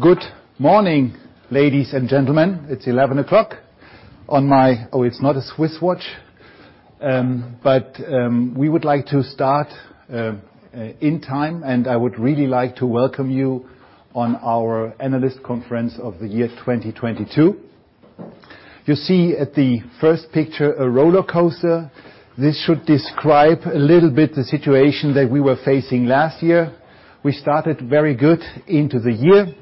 Good morning, ladies and gentlemen. It's 11 o'clock on my, it's not a Swiss watch. We would like to start in time. I would really like to welcome you on our analyst conference of the year 2022. You see at the first picture a roller coaster. This should describe a little bit the situation that we were facing last year. We started very good into the year.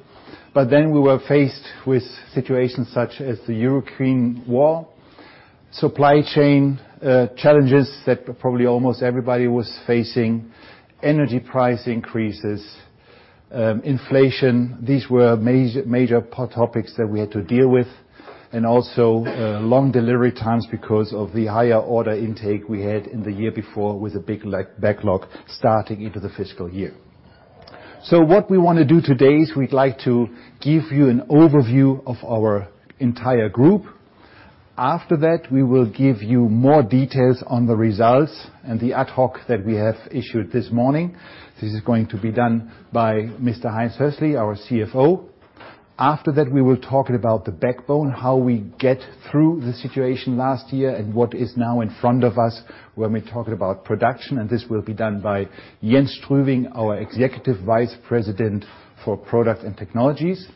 We were faced with situations such as the Ukraine War, supply chain challenges that probably almost everybody was facing, energy price increases, inflation. These were major topics that we had to deal with. Long delivery times because of the higher order intake we had in the year before with a big backlog starting into the fiscal year. What we want to do today is we'd like to give you an overview of our entire group. After that, we will give you more details on the results and the ad hoc that we have issued this morning. This is going to be done by Mr. Heinz Hössli, our CFO. After that, we will talk about the backbone, how we get through the situation last year and what is now in front of us when we talk about production, and this will be done by Jens Strüwing, our Executive Vice President for Product and Technologies.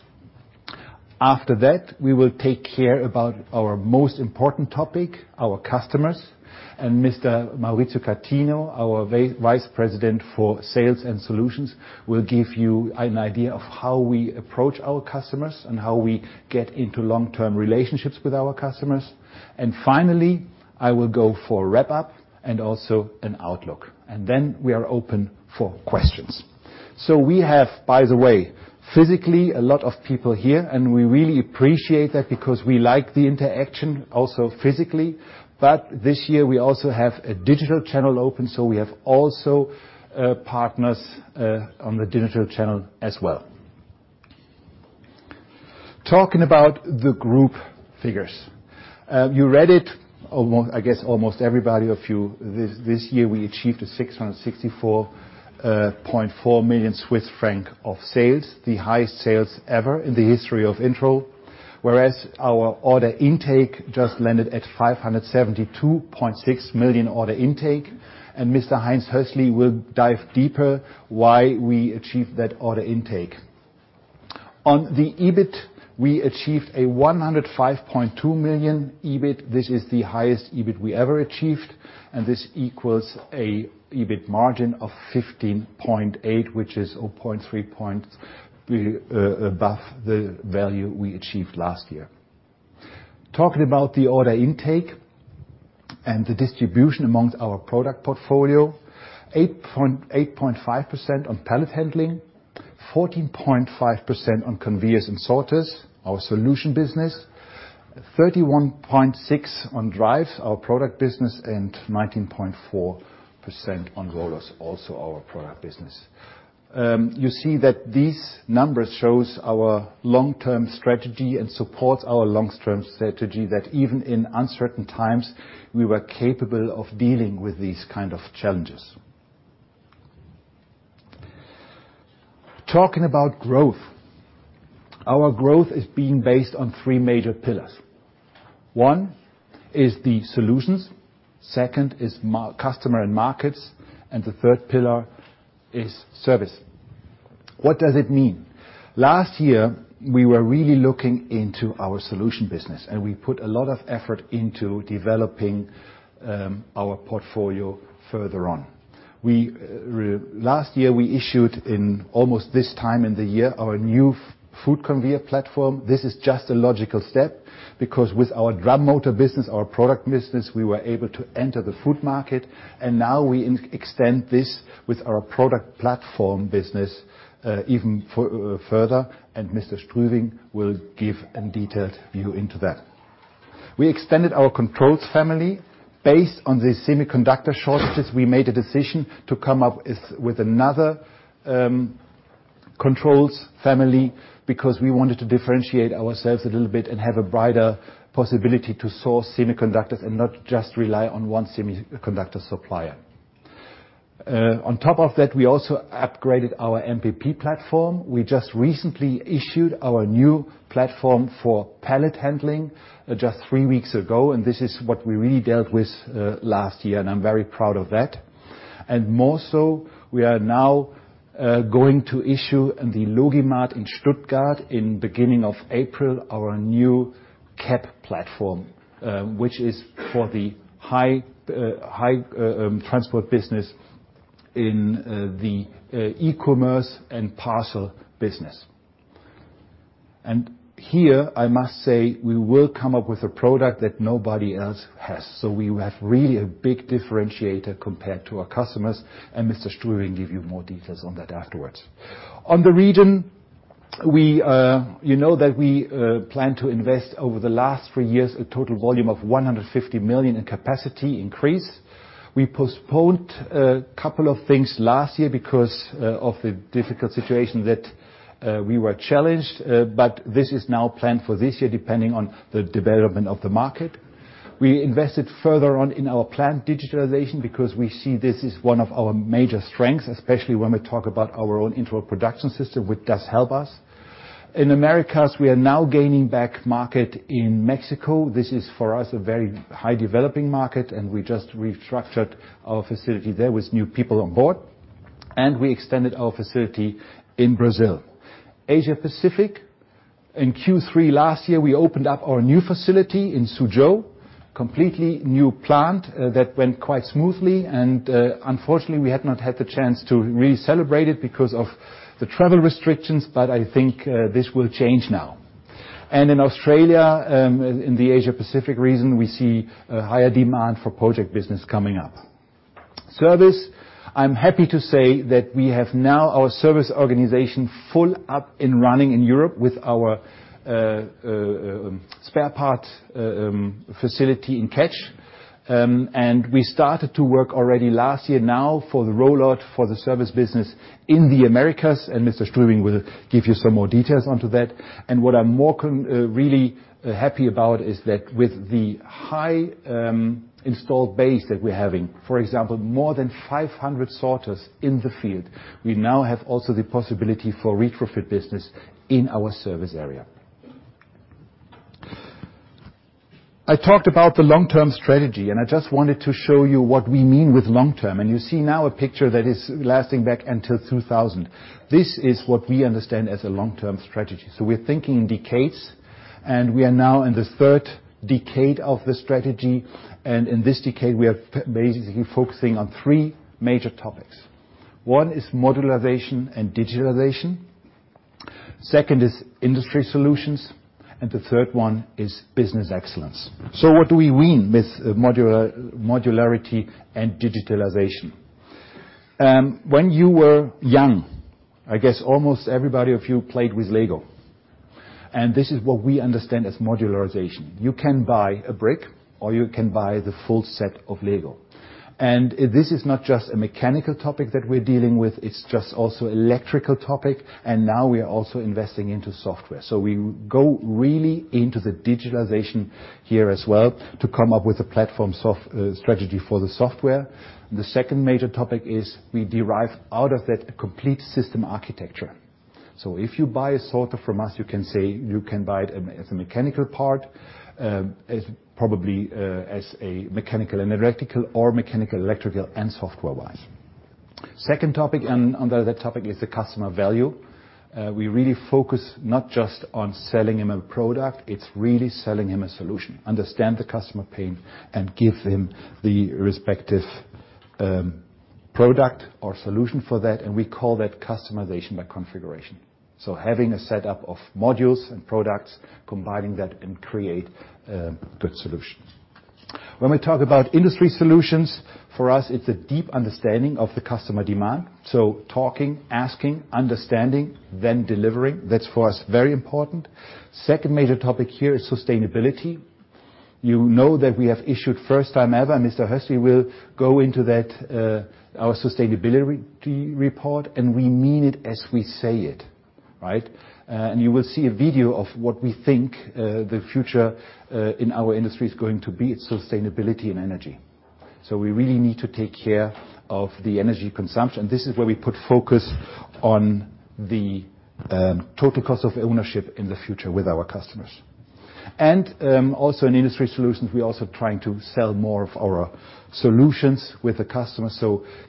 After that, we will take care about our most important topic, our customers, and Mr. Maurizio Catino, our Vice President for Sales and Solutions, will give you an idea of how we approach our customers and how we get into long-term relationships with our customers. Finally, I will go for a wrap-up and also an outlook. Then we are open for questions. We have, by the way, physically a lot of people here, we really appreciate that because we like the interaction also physically. This year we also have a digital channel open, so we have also partners on the digital channel as well. Talking about the group figures. You read it, I guess almost everybody of you. This year we achieved 664.4 million Swiss franc of sales, the highest sales ever in the history of Interroll, whereas our order intake just landed at 572.6 million order intake. Mr. Heinz Hössli will dive deeper why we achieved that order intake. On the EBIT, we achieved 105.2 million EBIT. This is the highest EBIT we ever achieved, this equals a EBIT margin of 15.8, which is 0.3 points above the value we achieved last year. Talking about the order intake and the distribution amongst our product portfolio, 8.5% on pallet handling, 14.5% on conveyors and sorters, our solution business, 31.6% on drives, our product business, 19.4% on rollers, also our product business. You see that these numbers shows our long-term strategy and supports our long-term strategy that even in uncertain times, we were capable of dealing with these kinds of challenges. Talking about growth. Our growth is being based on three major pillars. One is the solutions, second is customer and markets, the third pillar is service. What does it mean? Last year, we were really looking into our solution business, we put a lot of effort into developing our portfolio further on. Last year, we issued in almost this time in the year our new food conveyor platform. This is just a logical step because with our drum motor business, our product business, we were able to enter the food market, now we extend this with our product platform business even further, Mr. Strüwing will give a detailed view into that. We extended our controls family. Based on the semiconductor shortages, we made a decision to come up with another controls family because we wanted to differentiate ourselves a little bit have a brighter possibility to source semiconductors not just rely on one semiconductor supplier. On top of that, we also upgraded our MPP platform. We just recently issued our new platform for pallet handling just three weeks ago. This is what we really dealt with last year, and I'm very proud of that. More so, we are now going to issue in the LogiMAT in Stuttgart in beginning of April our new HPP platform, which is for the high transport business in the e-commerce and parcel business. Here, I must say we will come up with a product that nobody else has. We have really a big differentiator compared to our customers. Mr. Strüwing give you more details on that afterwards. On the region, we, you know that we plan to invest over the last three years a total volume of 150 million in capacity increase. We postponed a couple of things last year because of the difficult situation that we were challenged. This is now planned for this year, depending on the development of the market. We invested further on in our plant digitalization because we see this as one of our major strengths, especially when we talk about our own Interroll Production System, which does help us. In Americas, we are now gaining back market in Mexico. This is for us a very high developing market, and we just restructured our facility there with new people on board, and we extended our facility in Brazil. Asia Pacific. In Q3 last year, we opened up our new facility in Suzhou, completely new plant that went quite smoothly. Unfortunately, we had not had the chance to really celebrate it because of the travel restrictions, but I think this will change now. In Australia, in the Asia Pacific region, we see a higher demand for project business coming up. Service, I'm happy to say that we have now our service organization full up and running in Europe with our spare part facility in Ketsch. We started to work already last year now for the rollout for the service business in the Americas, and Mr. Strüwing will give you some more details onto that. What I'm really happy about is that with the high installed base that we're having, for example, more than 500 sorters in the field, we now have also the possibility for retrofit business in our service area. I talked about the long-term strategy. I just wanted to show you what we mean with long-term. You see now a picture that is lasting back until 2000. This is what we understand as a long-term strategy. We're thinking in decades, and we are now in the 3rd decade of the strategy. In this decade, we are basically focusing on 3 major topics. 1 is modularization and digitalization, 2nd is industry solutions, and the 3rd one is business excellence. What do we mean with modularity and digitalization? When you were young, I guess almost everybody of you played with LEGO. This is what we understand as modularization. You can buy a brick, or you can buy the full set of LEGO. This is not just a mechanical topic that we're dealing with, it's just also electrical topic. Now we are also investing into software. We go really into the digitalization here as well to come up with a platform strategy for the software. The second major topic is we derive out of that a complete system architecture. If you buy a sorter from us, you can say you can buy it as a mechanical part, as probably, as a mechanical and electrical or mechanical, electrical, and software-wise. Second topic, under that topic is the customer value. We really focus not just on selling him a product, it's really selling him a solution, understand the customer pain and give him the respective product or solution for that. We call that customization by configuration. Having a setup of modules and products, combining that and create good solutions. We talk about industry solutions, for us, it's a deep understanding of the customer demand. Talking, asking, understanding, then delivering. That's for us very important. Second major topic here is sustainability. You know that we have issued first time ever, Mr. Hössli will go into that, our sustainability report, we mean it as we say it, right? You will see a video of what we think the future in our industry is going to be, it's sustainability and energy. We really need to take care of the energy consumption. This is where we put focus on the total cost of ownership in the future with our customers. Also in industry solutions, we're also trying to sell more of our solutions with the customer.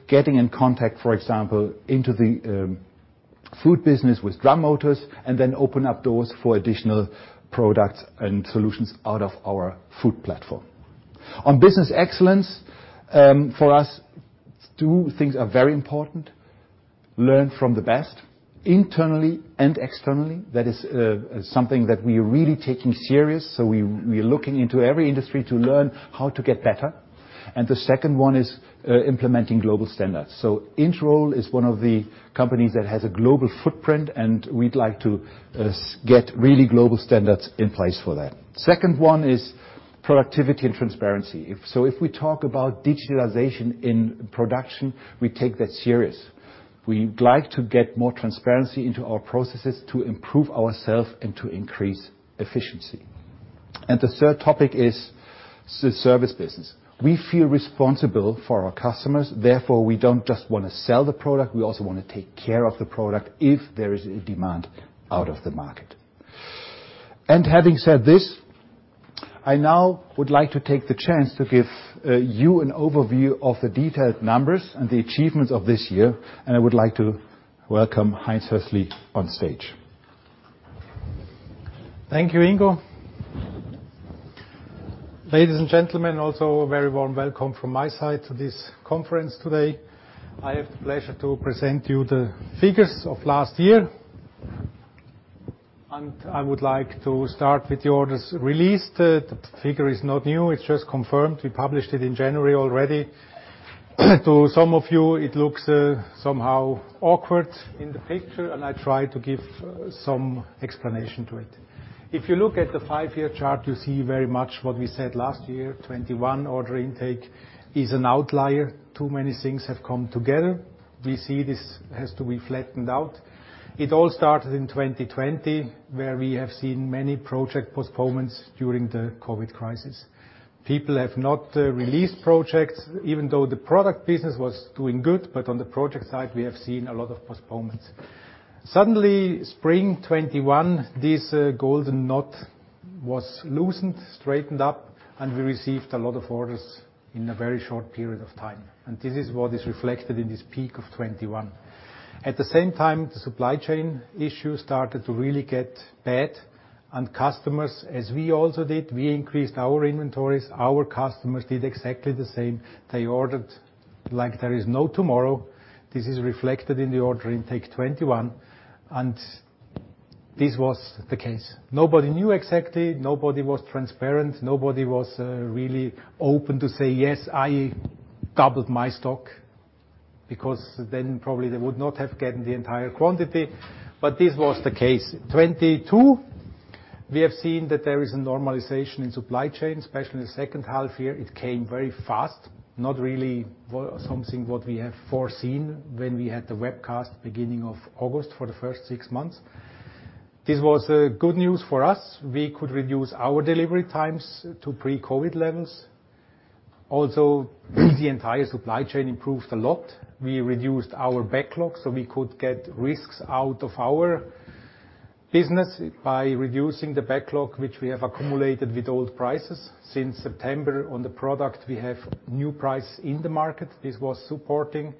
Getting in contact, for example, into the food business with Drum Motors and then open up doors for additional products and solutions out of our food platform. On business excellence, for us, two things are very important. Learn from the best internally and externally. That is something that we are really taking seriously. We are looking into every industry to learn how to get better. The second one is implementing global standards. Interroll is one of the companies that has a global footprint, and we'd like to get really global standards in place for that. Second one is productivity and transparency. If we talk about digitalization in production, we take that seriously. We'd like to get more transparency into our processes to improve ourselves and to increase efficiency. The third topic is service business. We feel responsible for our customers, therefore, we don't just wanna sell the product, we also wanna take care of the product if there is a demand out of the market. Having said this, I now would like to take the chance to give you an overview of the detailed numbers and the achievements of this year. I would like to welcome Heinz Hössli on stage. Thank you, Ingo. Ladies and gentlemen, also a very warm welcome from my side to this conference today. I have the pleasure to present you the figures of last year. I would like to start with the orders released. The figure is not new, it's just confirmed. We published it in January already. To some of you, it looks somehow awkward in the picture, and I try to give some explanation to it. If you look at the 5-year chart, you see very much what we said last year. 21 order intake is an outlier. Too many things have come together. We see this has to be flattened out. It all started in 2020, where we have seen many project postponements during the COVID crisis. People have not released projects, even though the product business was doing good. On the project side, we have seen a lot of postponements. Suddenly, spring 2021, this golden knot was loosened, straightened up. We received a lot of orders in a very short period of time. This is what is reflected in this peak of 2021. At the same time, the supply chain issue started to really get bad. Customers, as we also did, we increased our inventories. Our customers did exactly the same. They ordered like there is no tomorrow. This is reflected in the order intake 2021. This was the case. Nobody knew exactly. Nobody was transparent. Nobody was really open to say, "Yes, I doubled my stock," because then probably they would not have gotten the entire quantity. This was the case. 2022, we have seen that there is a normalization in supply chain, especially in the H2 year. It came very fast, not really something what we have foreseen when we had the webcast beginning of August for the first 6 months. This was good news for us. We could reduce our delivery times to pre-COVID levels. Also, the entire supply chain improved a lot. We reduced our backlogs, so we could get risks out of our business by reducing the backlog which we have accumulated with old prices. Since September, on the product, we have new price in the market. This was supporting.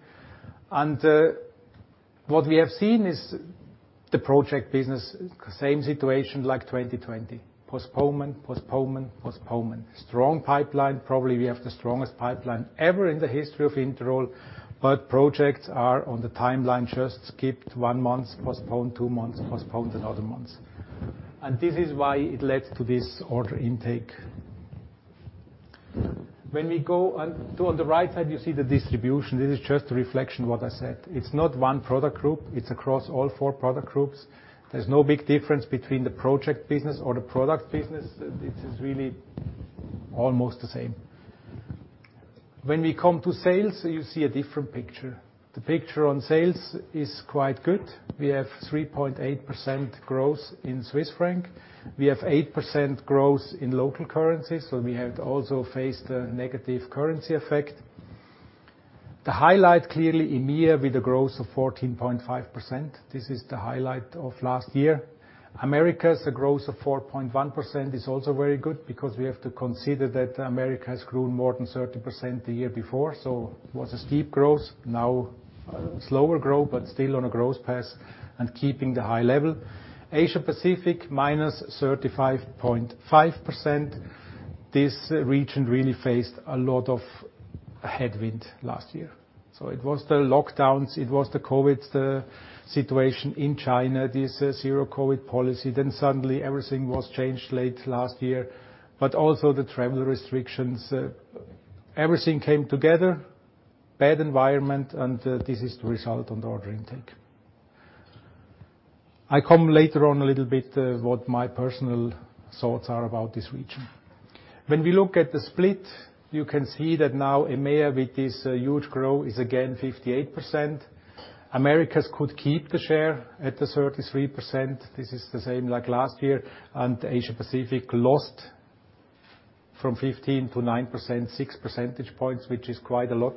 What we have seen is the project business, same situation like 2020. Postponement, postponement. Strong pipeline. Probably, we have the strongest pipeline ever in the history of Interroll, but projects are on the timeline, just skipped 1 month, postponed 2 months, postponed 1 month. This is why it led to this order intake. On the right side, you see the distribution. This is just a reflection of what I said. It's not one product group. It's across all 4 product groups. There's no big difference between the project business or the product business. It is really almost the same. We come to sales, you see a different picture. The picture on sales is quite good. We have 3.8% growth in CHF. We have 8% growth in local currency, we have also faced a negative currency effect. The highlight, clearly, EMEA, with a growth of 14.5%. This is the highlight of last year. Americas, a growth of 4.1% is also very good we have to consider that Americas has grown more than 30% the year before. It was a steep growth. Now, slower growth, but still on a growth path and keeping the high level. Asia-Pacific, -35.5%. This region really faced a lot of headwind last year. It was the lockdowns. It was the COVID situation in China, this zero COVID policy. Suddenly, everything was changed late last year. Also the travel restrictions. Everything came together, bad environment, and this is the result on the order intake. I come later on a little bit what my personal thoughts are about this region. When we look at the split, you can see that now EMEA with this huge growth is again 58%. Americas could keep the share at the 33%. This is the same like last year. Asia-Pacific lost from 15% to 9%, 6 percentage points, which is quite a lot.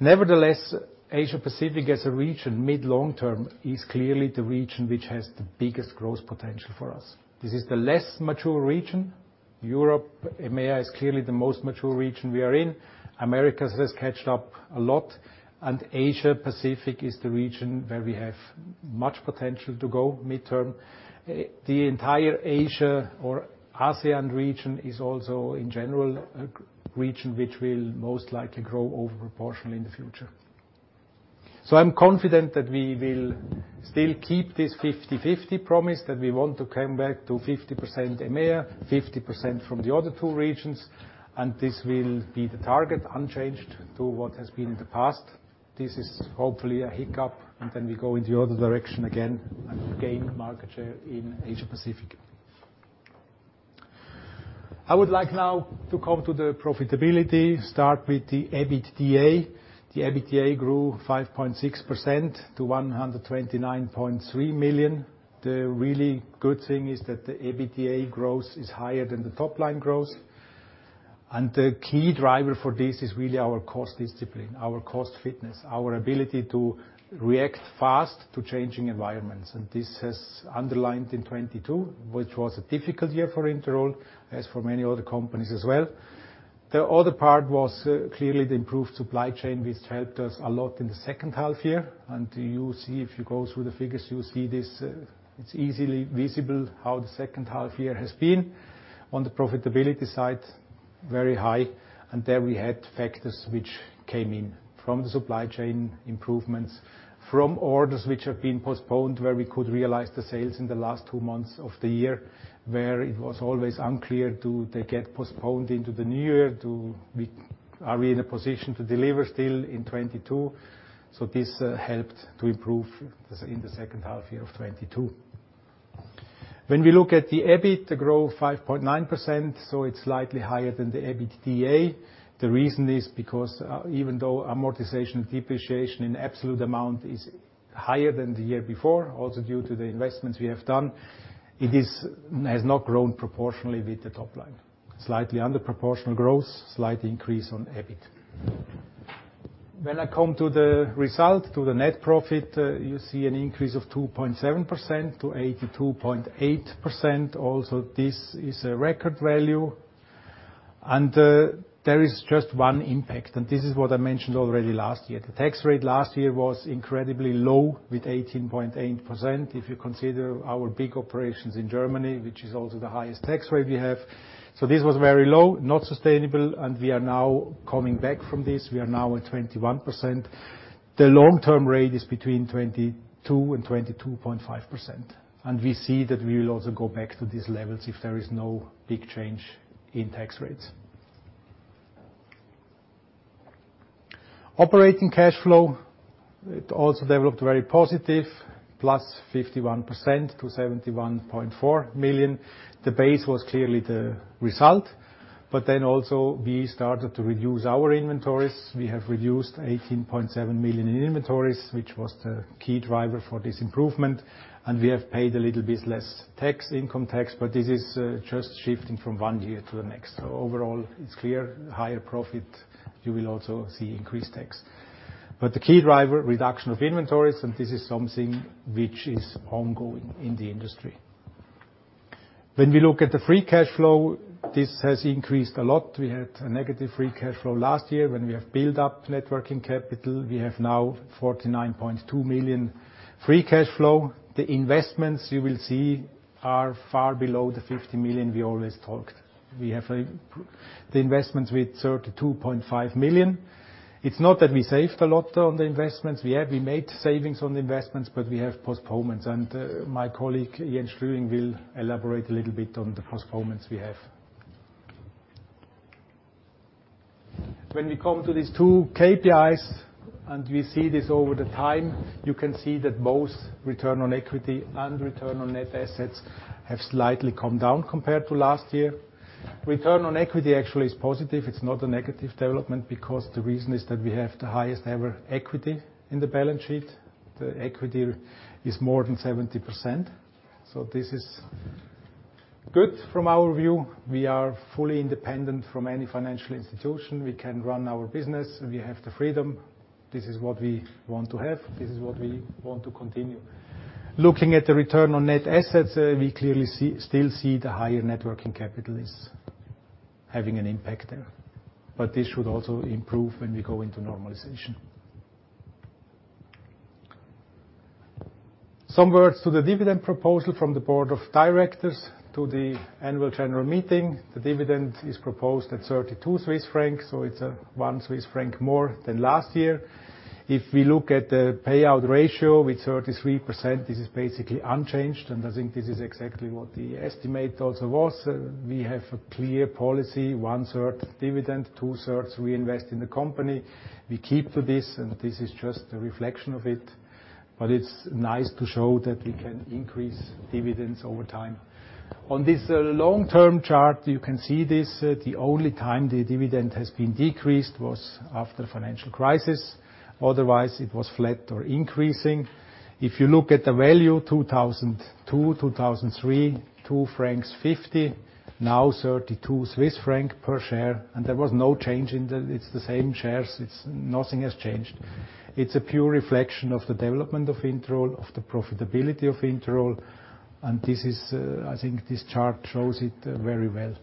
Nevertheless, Asia-Pacific as a region mid-long term is clearly the region which has the biggest growth potential for us. This is the less mature region. Europe, EMEA is clearly the most mature region we are in. Americas has caught up a lot. Asia-Pacific is the region where we have much potential to go midterm. The entire Asia or ASEAN region is also, in general, a region which will most likely grow over-proportionally in the future. I'm confident that we will still keep this 50/50 promise, that we want to come back to 50% EMEA, 50% from the other two regions, this will be the target unchanged to what has been in the past. This is hopefully a hiccup, then we go in the other direction again and gain market share in Asia-Pacific. I would like now to come to the profitability. Start with the EBITDA. The EBITDA grew 5.6% to 129.3 million. The really good thing is that the EBITDA growth is higher than the top-line growth. The key driver for this is really our cost discipline, our cost fitness, our ability to react fast to changing environments. This has underlined in 2022, which was a difficult year for Interroll, as for many other companies as well. The other part was clearly the improved supply chain, which helped us a lot in the H2 year. You see, if you go through the figures, you see this, it's easily visible how the H2 year has been. On the profitability side, very high. There we had factors which came in from the supply chain improvements, from orders which have been postponed, where we could realize the sales in the last two months of the year, where it was always unclear, do they get postponed into the new year? Are we in a position to deliver still in 2022? This helped to improve this in the H2 year of 2022. When we look at the EBIT, it grow 5.9%, it's slightly higher than the EBITDA. The reason is because even though amortization and depreciation in absolute amount is higher than the year before, also due to the investments we have done, has not grown proportionally with the top line. Slightly under proportional growth, slight increase on EBIT. When I come to the result, to the net profit, you see an increase of 2.7 to 82.8%. This is a record value, and there is just one impact, and this is what I mentioned already last year. The tax rate last year was incredibly low with 18.8% if you consider our big operations in Germany, which is also the highest tax rate we have. This was very low, not sustainable, and we are now coming back from this. We are now at 21%. The long-term rate is between 22 and 22.5%, and we see that we will also go back to these levels if there is no big change in tax rates. Operating cash flow developed very positive, +51% to 71.4 million. The base was clearly the result. We started to reduce our inventories. We have reduced 18.7 million in inventories, which was the key driver for this improvement. We have paid a little bit less tax, income tax, this is just shifting from one year to the next. Overall, it's clear higher profit, you will also see increased tax. The key driver, reduction of inventories, this is something which is ongoing in the industry. When we look at the free cash flow, this has increased a lot. We had a negative free cash flow last year when we have built up net working capital. We have now 49.2 million free cash flow. The investments, you will see, are far below the 50 million we always talked. The investments with 32.5 million. It's not that we saved a lot on the investments. We made savings on the investments, but we have postponements. My colleague, Jens Strüwing, will elaborate a little bit on the postponements we have. When we come to these two KPIs, and we see this over the time, you can see that both return on equity and return on net assets have slightly come down compared to last year. Return on equity actually is positive. It's not a negative development because the reason is that we have the highest ever equity in the balance sheet. The equity is more than 70%. This is good from our view. We are fully independent from any financial institution. We can run our business. We have the freedom. This is what we want to have. This is what we want to continue. Looking at the return on net assets, we clearly still see the higher net working capital is having an impact there. This should also improve when we go into normalization. Some words to the dividend proposal from the board of directors to the annual general meeting. The dividend is proposed at 32 Swiss francs, so it's 1 Swiss franc more than last year. If we look at the payout ratio with 33%, this is basically unchanged. I think this is exactly what the estimate also was. We have a clear policy, one-third dividend, two-thirds we invest in the company. We keep to this, and this is just a reflection of it. It's nice to show that we can increase dividends over time. On this long-term chart, you can see this, the only time the dividend has been decreased was after financial crisis. Otherwise, it was flat or increasing. If you look at the value, 2002, 2003, 2.50 francs, now 32 Swiss francs per share, and there was no change in the. It's the same shares. Nothing has changed. It's a pure reflection of the development of Interroll, of the profitability of Interroll. This is, I think this chart shows it very well.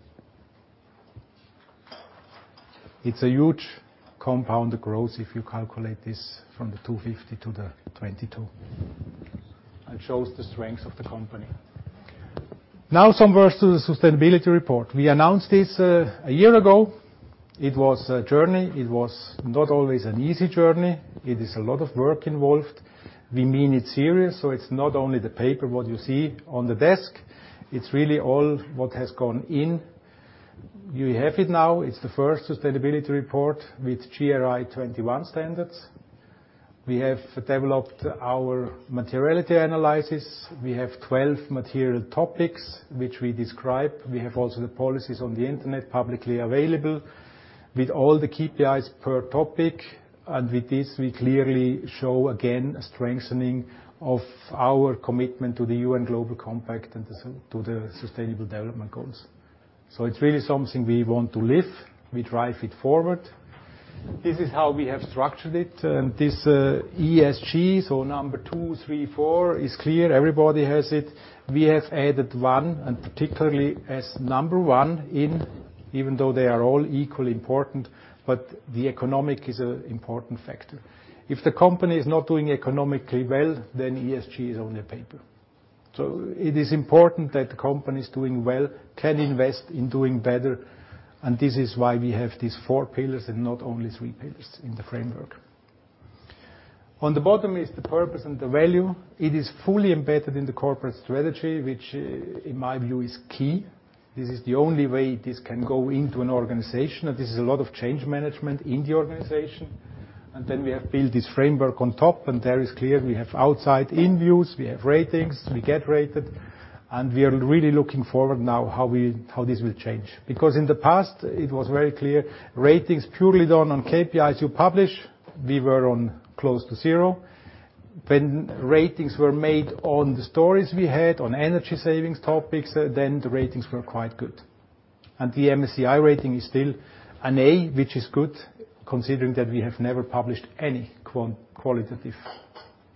It's a huge compound growth if you calculate this from the 2.50 to the 22 and shows the strength of the company. Now, some words to the sustainability report. We announced this a year ago. It was a journey. It was not always an easy journey. It is a lot of work involved. We mean it serious, it's not only the paper what you see on the desk. It's really all what has gone in. We have it now. It's the first sustainability report with GRI 21 Standards. We have developed our materiality analysis. We have 12 material topics which we describe. We have also the policies on the internet publicly available with all the KPIs per topic. With this, we clearly show again a strengthening of our commitment to the UN Global Compact and to the sustainable development goals. It's really something we want to live. We drive it forward. This is how we have structured it. This, ESG, so number two, three, four is clear. Everybody has it. We have added one, and particularly as number one in, even though they are all equally important, but the economic is an important factor. If the company is not doing economically well, then ESG is on the paper. It is important that the company's doing well, can invest in doing better, and this is why we have these four pillars and not only three pillars in the framework. On the bottom is the purpose and the value. It is fully embedded in the corporate strategy, which in my view is key. This is the only way this can go into an organization, and this is a lot of change management in the organization. Then we have built this framework on top, and there is clear we have outside-in views, we have ratings, we get rated, and we are really looking forward now how we, how this will change. In the past, it was very clear ratings purely done on KPIs you publish, we were on close to zero. When ratings were made on the stories we had on energy savings topics, then the ratings were quite good. The MSCI rating is still an A, which is good considering that we have never published any qualitative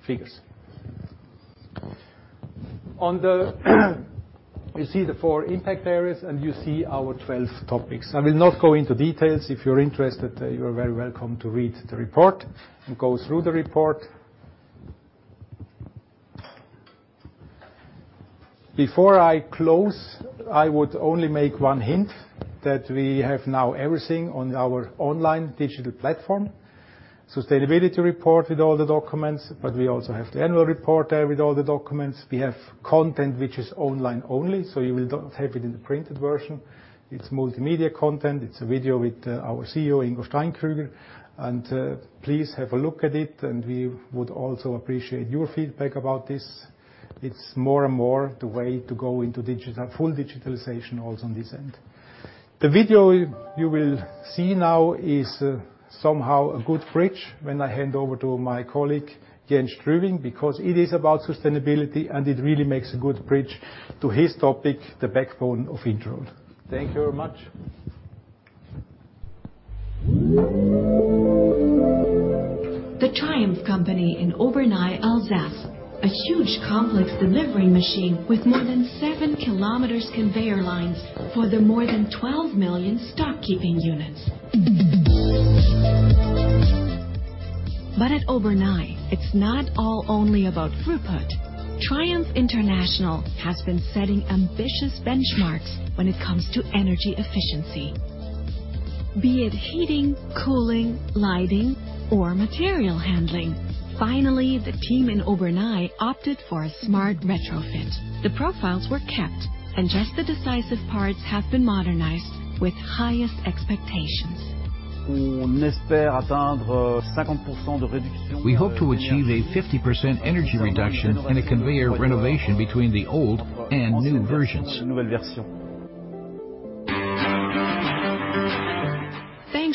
figures. You see the four impact areas, and you see our 12 topics. I will not go into details. If you're interested, you're very welcome to read the report and go through the report. Before I close, I would only make one hint that we have now everything on our online digital platform. Sustainability report with all the documents. We also have the annual report there with all the documents. We have content, which is online only, so you will not have it in the printed version. It's multimedia content. It's a video with our CEO, Ingo Steinkrüger. Please have a look at it, and we would also appreciate your feedback about this. It's more and more the way to go into full digitalization also on this end. The video you will see now is somehow a good bridge when I hand over to my colleague, Jens Strüwing, because it is about sustainability, and it really makes a good bridge to his topic, the backbone of Interroll. Thank you very much. The Triumph company in Obernai, Alsace. A huge, complex delivering machine with more than 7 km conveyor lines for the more than 12 million stock keeping units. At Obernai, it's not all only about throughput. Triumph International has been setting ambitious benchmarks when it comes to energy efficiency, be it heating, cooling, lighting, or material handling. Finally, the team in Obernai opted for a smart retrofit. The profiles were kept, and just the decisive parts have been modernized with highest expectations. We hope to achieve a 50% energy reduction in a conveyor renovation between the old and new versions.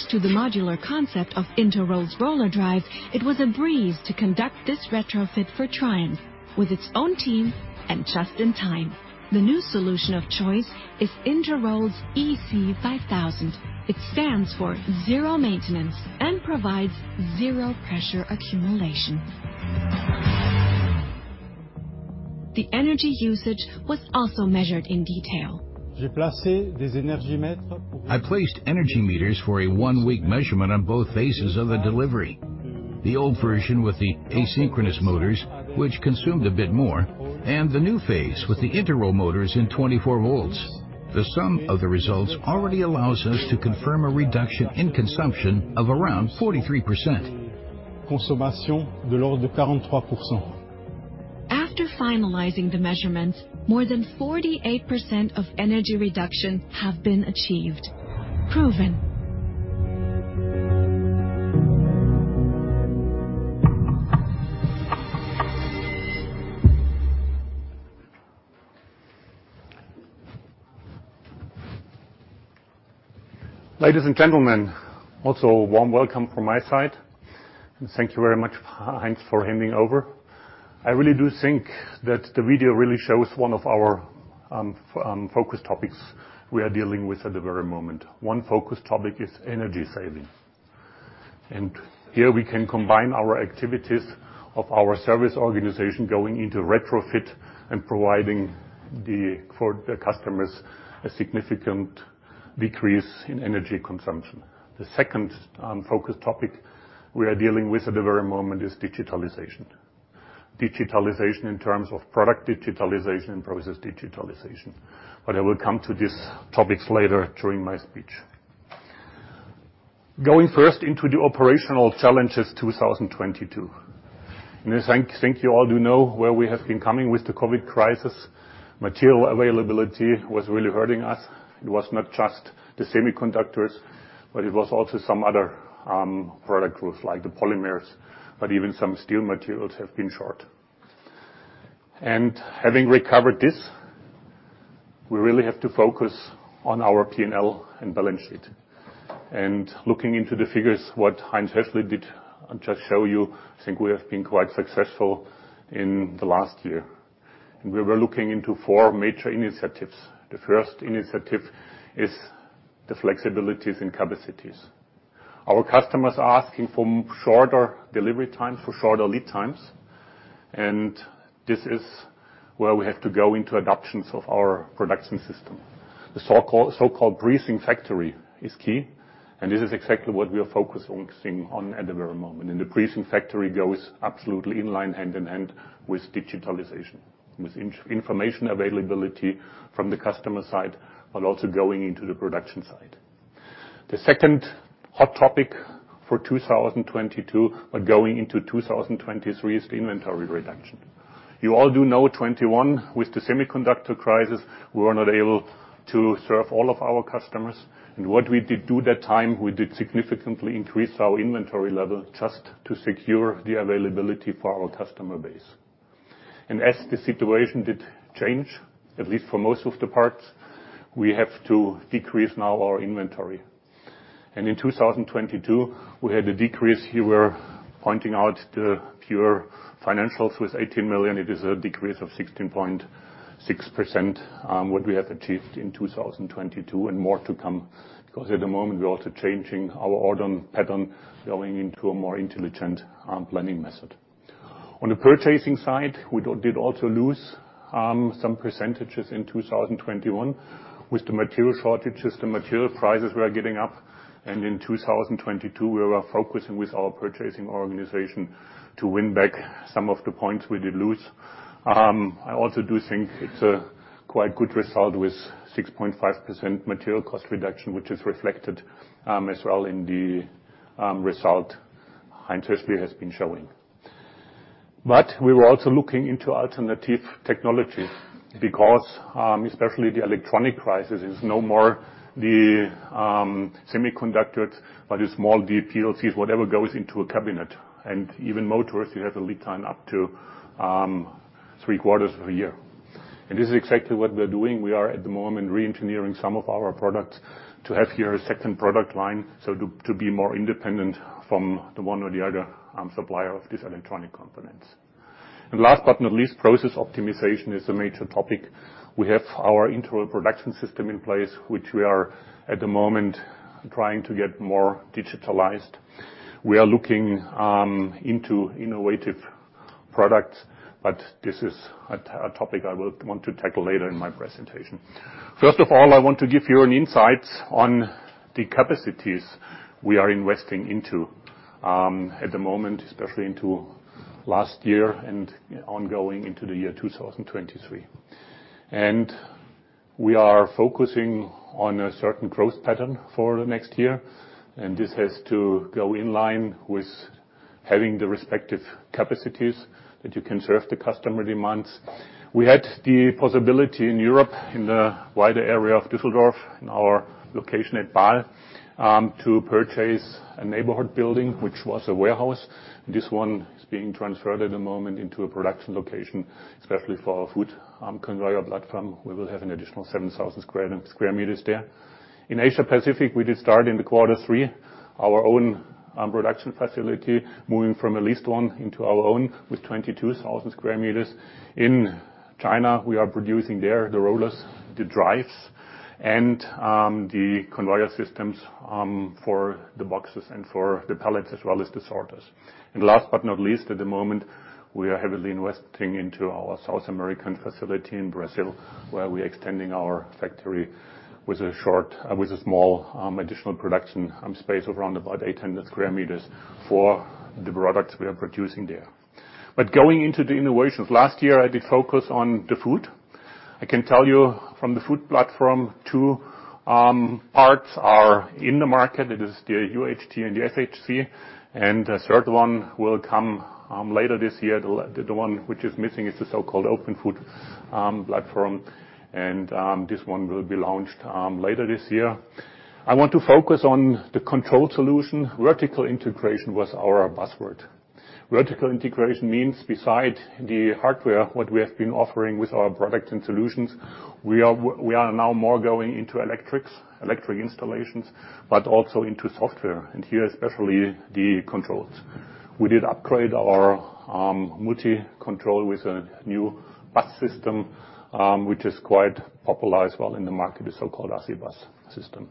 Thanks to the modular concept of Interroll's RollerDrive, it was a breeze to conduct this retrofit for Triumph with its own team and just in time. The new solution of choice is Interroll's EC5000. It stands for zero maintenance and provides zero pressure accumulation. The energy usage was also measured in detail. I placed energy meters for a one-week measurement on both phases of the delivery. The old version with the asynchronous motors, which consumed a bit more, and the new phase with the Interroll motors in 24 volts. The sum of the results already allows us to confirm a reduction in consumption of around 43%. After finalizing the measurements, more than 48% of energy reduction have been achieved. Proven. Ladies and gentlemen, also warm welcome from my side. Thank you very much, Heinz, for handing over. I really do think that the video really shows one of our focus topics we are dealing with at the very moment. One focus topic is energy saving. Here we can combine our activities of our service organization going into retrofit and providing for the customers a significant decrease in energy consumption. The second focus topic we are dealing with at the very moment is digitalization. Digitalization in terms of product digitalization and process digitalization. I will come to these topics later during my speech. Going first into the operational challenges, 2022. I think you all do know where we have been coming with the COVID crisis. Material availability was really hurting us. It was not just the semiconductors, but it was also some other product groups like the polymers, but even some steel materials have been short. Having recovered this, we really have to focus on our P&L and balance sheet. Looking into the figures, what Heinz Hössli did just show you, I think we have been quite successful in the last year. We were looking into four major initiatives. The first initiative is the flexibilities and capacities. Our customers are asking for shorter delivery times, for shorter lead times, and this is where we have to go into adoptions of our production system. The so-called perfect factory is key, and this is exactly what we are focusing on at the very moment. The perfect factory goes absolutely in line hand in hand with digitalization, with information availability from the customer side but also going into the production side. The second hot topic for 2022, but going into 2023, is the inventory reduction. You all do know 2021, with the semiconductor crisis, we were not able to serve all of our customers. What we did do that time, we did significantly increase our inventory level just to secure the availability for our customer base. As the situation did change, at least for most of the parts, we have to decrease now our inventory. In 2022, we had a decrease. You were pointing out the pure financials with 18 million. It is a decrease of 16.6%, what we have achieved in 2022 and more to come. At the moment, we're also changing our order pattern, going into a more intelligent planning method. On the purchasing side, we did also lose some % in 2021 with the material shortages, the material prices were getting up. In 2022, we were focusing with our purchasing organization to win back some of the points we did lose. I also do think it's a quite good result with 6.5% material cost reduction, which is reflected as well in the result Heinz-Hermann has been showing. We were also looking into alternative technologies because especially the electronic crisis is no more the semiconductors, but the small MLCCs, whatever goes into a cabinet. Even motors, you have a lead time up to three quarters of a year. This is exactly what we're doing. We are at the moment re-engineering some of our products to have here a second product line, to be more independent from the one or the other supplier of these electronic components. Last but not least, process optimization is a major topic. We have our internal Production System in place, which we are at the moment trying to get more digitalized. We are looking into innovative products, but this is a topic I will want to tackle later in my presentation. First of all, I want to give you an insight on the capacities we are investing into at the moment, especially into last year and ongoing into the year 2023. We are focusing on a certain growth pattern for the next year, and this has to go in line with having the respective capacities that you can serve the customer demands. We had the possibility in Europe, in the wider area of Düsseldorf, in our location at Baal, to purchase a neighborhood building, which was a warehouse. This one is being transferred at the moment into a production location, especially for our food, conveyor platform. We will have an additional 7,000 square meters there. In Asia-Pacific, we did start in the Q3, our own production facility, moving from a leased one into our own with 22,000 square meters. In China, we are producing there the rollers, the drives, and the conveyor systems, for the boxes and for the pallets, as well as the sorters. Last but not least, at the moment, we are heavily investing into our South American facility in Brazil, where we're extending our factory with a small additional production space of around about 800 sq m for the products we are producing there. Going into the innovations. Last year, I did focus on the food. I can tell you from the food platform, two parts are in the market. It is the UHT and the SHC, and a third one will come later this year. The one which is missing is the so-called Open Food Platform, and this one will be launched later this year. I want to focus on the control solution. Vertical integration was our buzzword. Vertical integration means besides the hardware, what we have been offering with our products and solutions, we are now more going into electrics, electric installations, but also into software, and here, especially the controls. We did upgrade our MultiControl with a new bus system, which is quite popularized well in the market, the so-called RB bus system.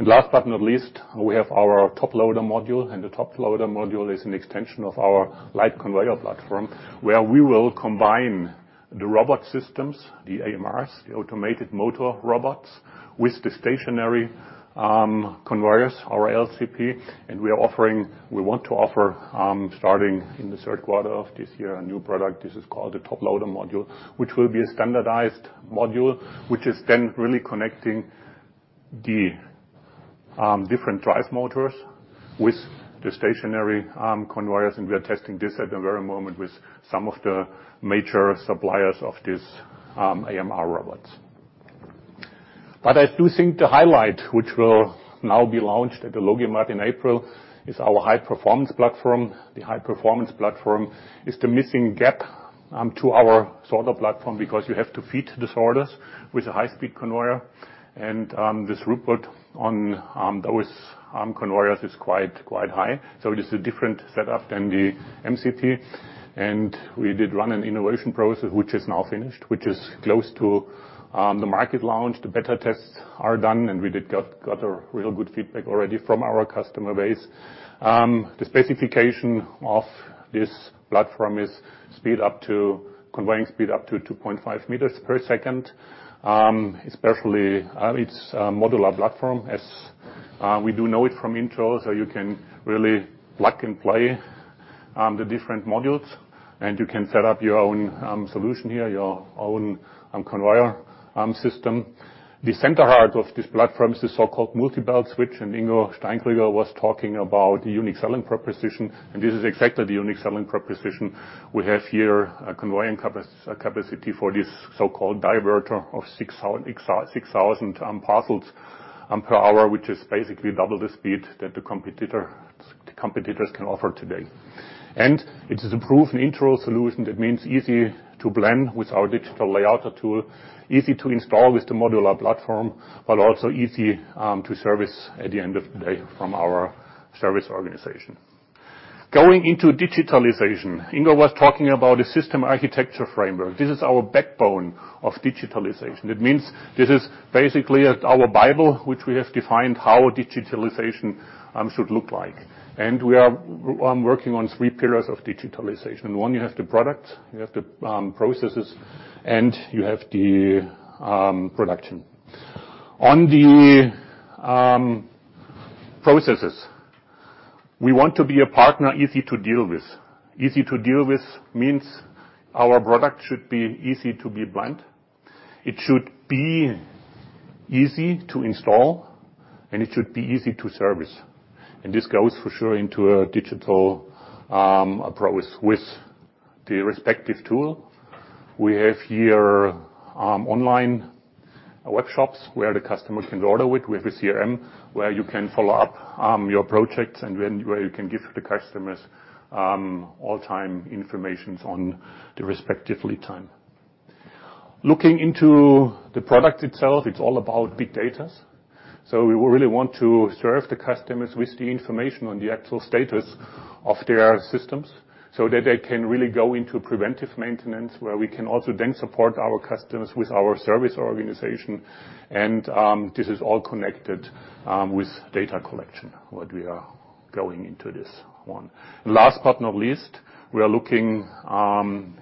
Last but not least, we have our LCP AMR Top Module, and the LCP AMR Top Module is an extension of our Light Conveyor Platform, where we will combine the robot systems, the AMRs, the autonomous mobile robots, with the stationary conveyors, our LCP. We want to offer, starting in the Q3 of this year, a new product. This is called the top loader module, which will be a standardized module, which is then really connecting the different drive motors with the stationary conveyors. We are testing this at the very moment with some of the major suppliers of these AMR robots. I do think the highlight, which will now be launched at the LogiMAT in April, is our High Performance Conveyor Platform. The High Performance Conveyor Platform is the missing gap to our sorter platform because you have to feed the sorters with a high-speed conveyor. This throughput on those conveyors is quite high. It is a different setup than the MCT. We did run an innovation process, which is now finished, which is close to the market launch. The beta tests are done. We got a real good feedback already from our customer base. The specification of this platform is speed up to conveying speed up to 2.5 meters per second. especially, it's a modular platform as we do know it from Interroll. You can really plug and play the different modules, and you can set up your own solution here, your own conveyor system. The center heart of this platform is the so-called MultiBelt Switch. Ingo Steinkrüger was talking about the unique selling proposition, and this is exactly the unique selling proposition. We have here a conveying capacity for this so-called diverter of 6,000 parcels per hour, which is basically double the speed that the competitors can offer today. It is a proven Interroll solution that means easy to blend with our digital Layouter tool, easy to install with the modular platform, but also easy to service at the end of the day from our service organization. Going into digitalization, Ingo was talking about a system architecture framework. This is our backbone of digitalization. That means this is basically our bible, which we have defined how digitalization should look like. We are working on three pillars of digitalization. One, you have the product, you have the processes, and you have the production. On the processes, we want to be a partner easy to deal with. Easy to deal with means our product should be easy to be blend, it should be easy to install, and it should be easy to service. This goes for sure into a digital approach with the respective tool. We have here online workshops where the customer can order with. We have a CRM, where you can follow up your projects, and where you can give the customers all time information on the respective lead time. Looking into the product itself, it's all about big data. We really want to serve the customers with the information on the actual status of their systems, so that they can really go into preventive maintenance where we can also then support our customers with our service organization. This is all connected with data collection, what we are going into this one. Last but not least, we are looking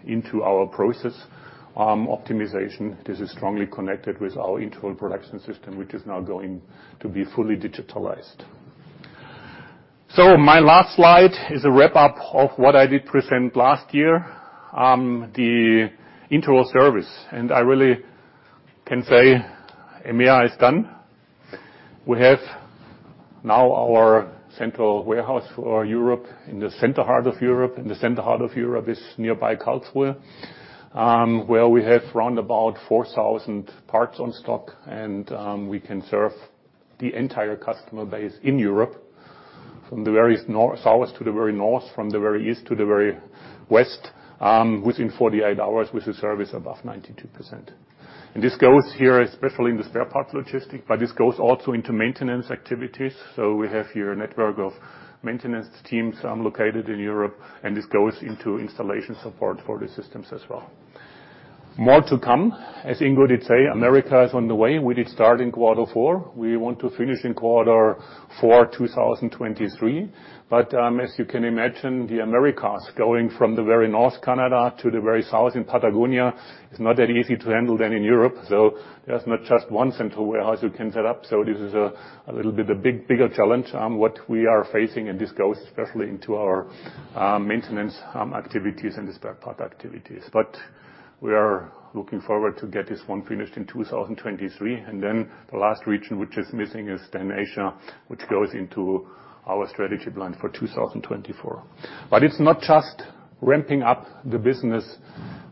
into our process optimization. This is strongly connected with our Interroll Production System, which is now going to be fully digitalized. My last slide is a wrap-up of what I did present last year. The INTRO service, and I really can say MEA is done. We have now our central warehouse for Europe in the center heart of Europe. In the center heart of Europe is nearby Karlsruhe, where we have around about 4,000 parts on stock, and we can serve the entire customer base in Europe from the very south to the very north, from the very east to the very west, within 48 hours with a service above 92%. This goes here, especially in the spare parts logistics, but this goes also into maintenance activities. We have here a network of maintenance teams, located in Europe, and this goes into installation support for the systems as well. More to come. As Ingo did say, Americas is on the way. We did start in quarter four. We want to finish in quarter four, 2023. As you can imagine, the Americas going from the very North Canada to the very south in Patagonia is not that easy to handle than in Europe. There's not just one central warehouse you can set up. This is a little bit a big, bigger challenge what we are facing, and this goes especially into our maintenance activities and the spare part activities. We are looking forward to get this one finished in 2023. The last region which is missing is then Asia, which goes into our strategy plan for 2024. It's not just ramping up the business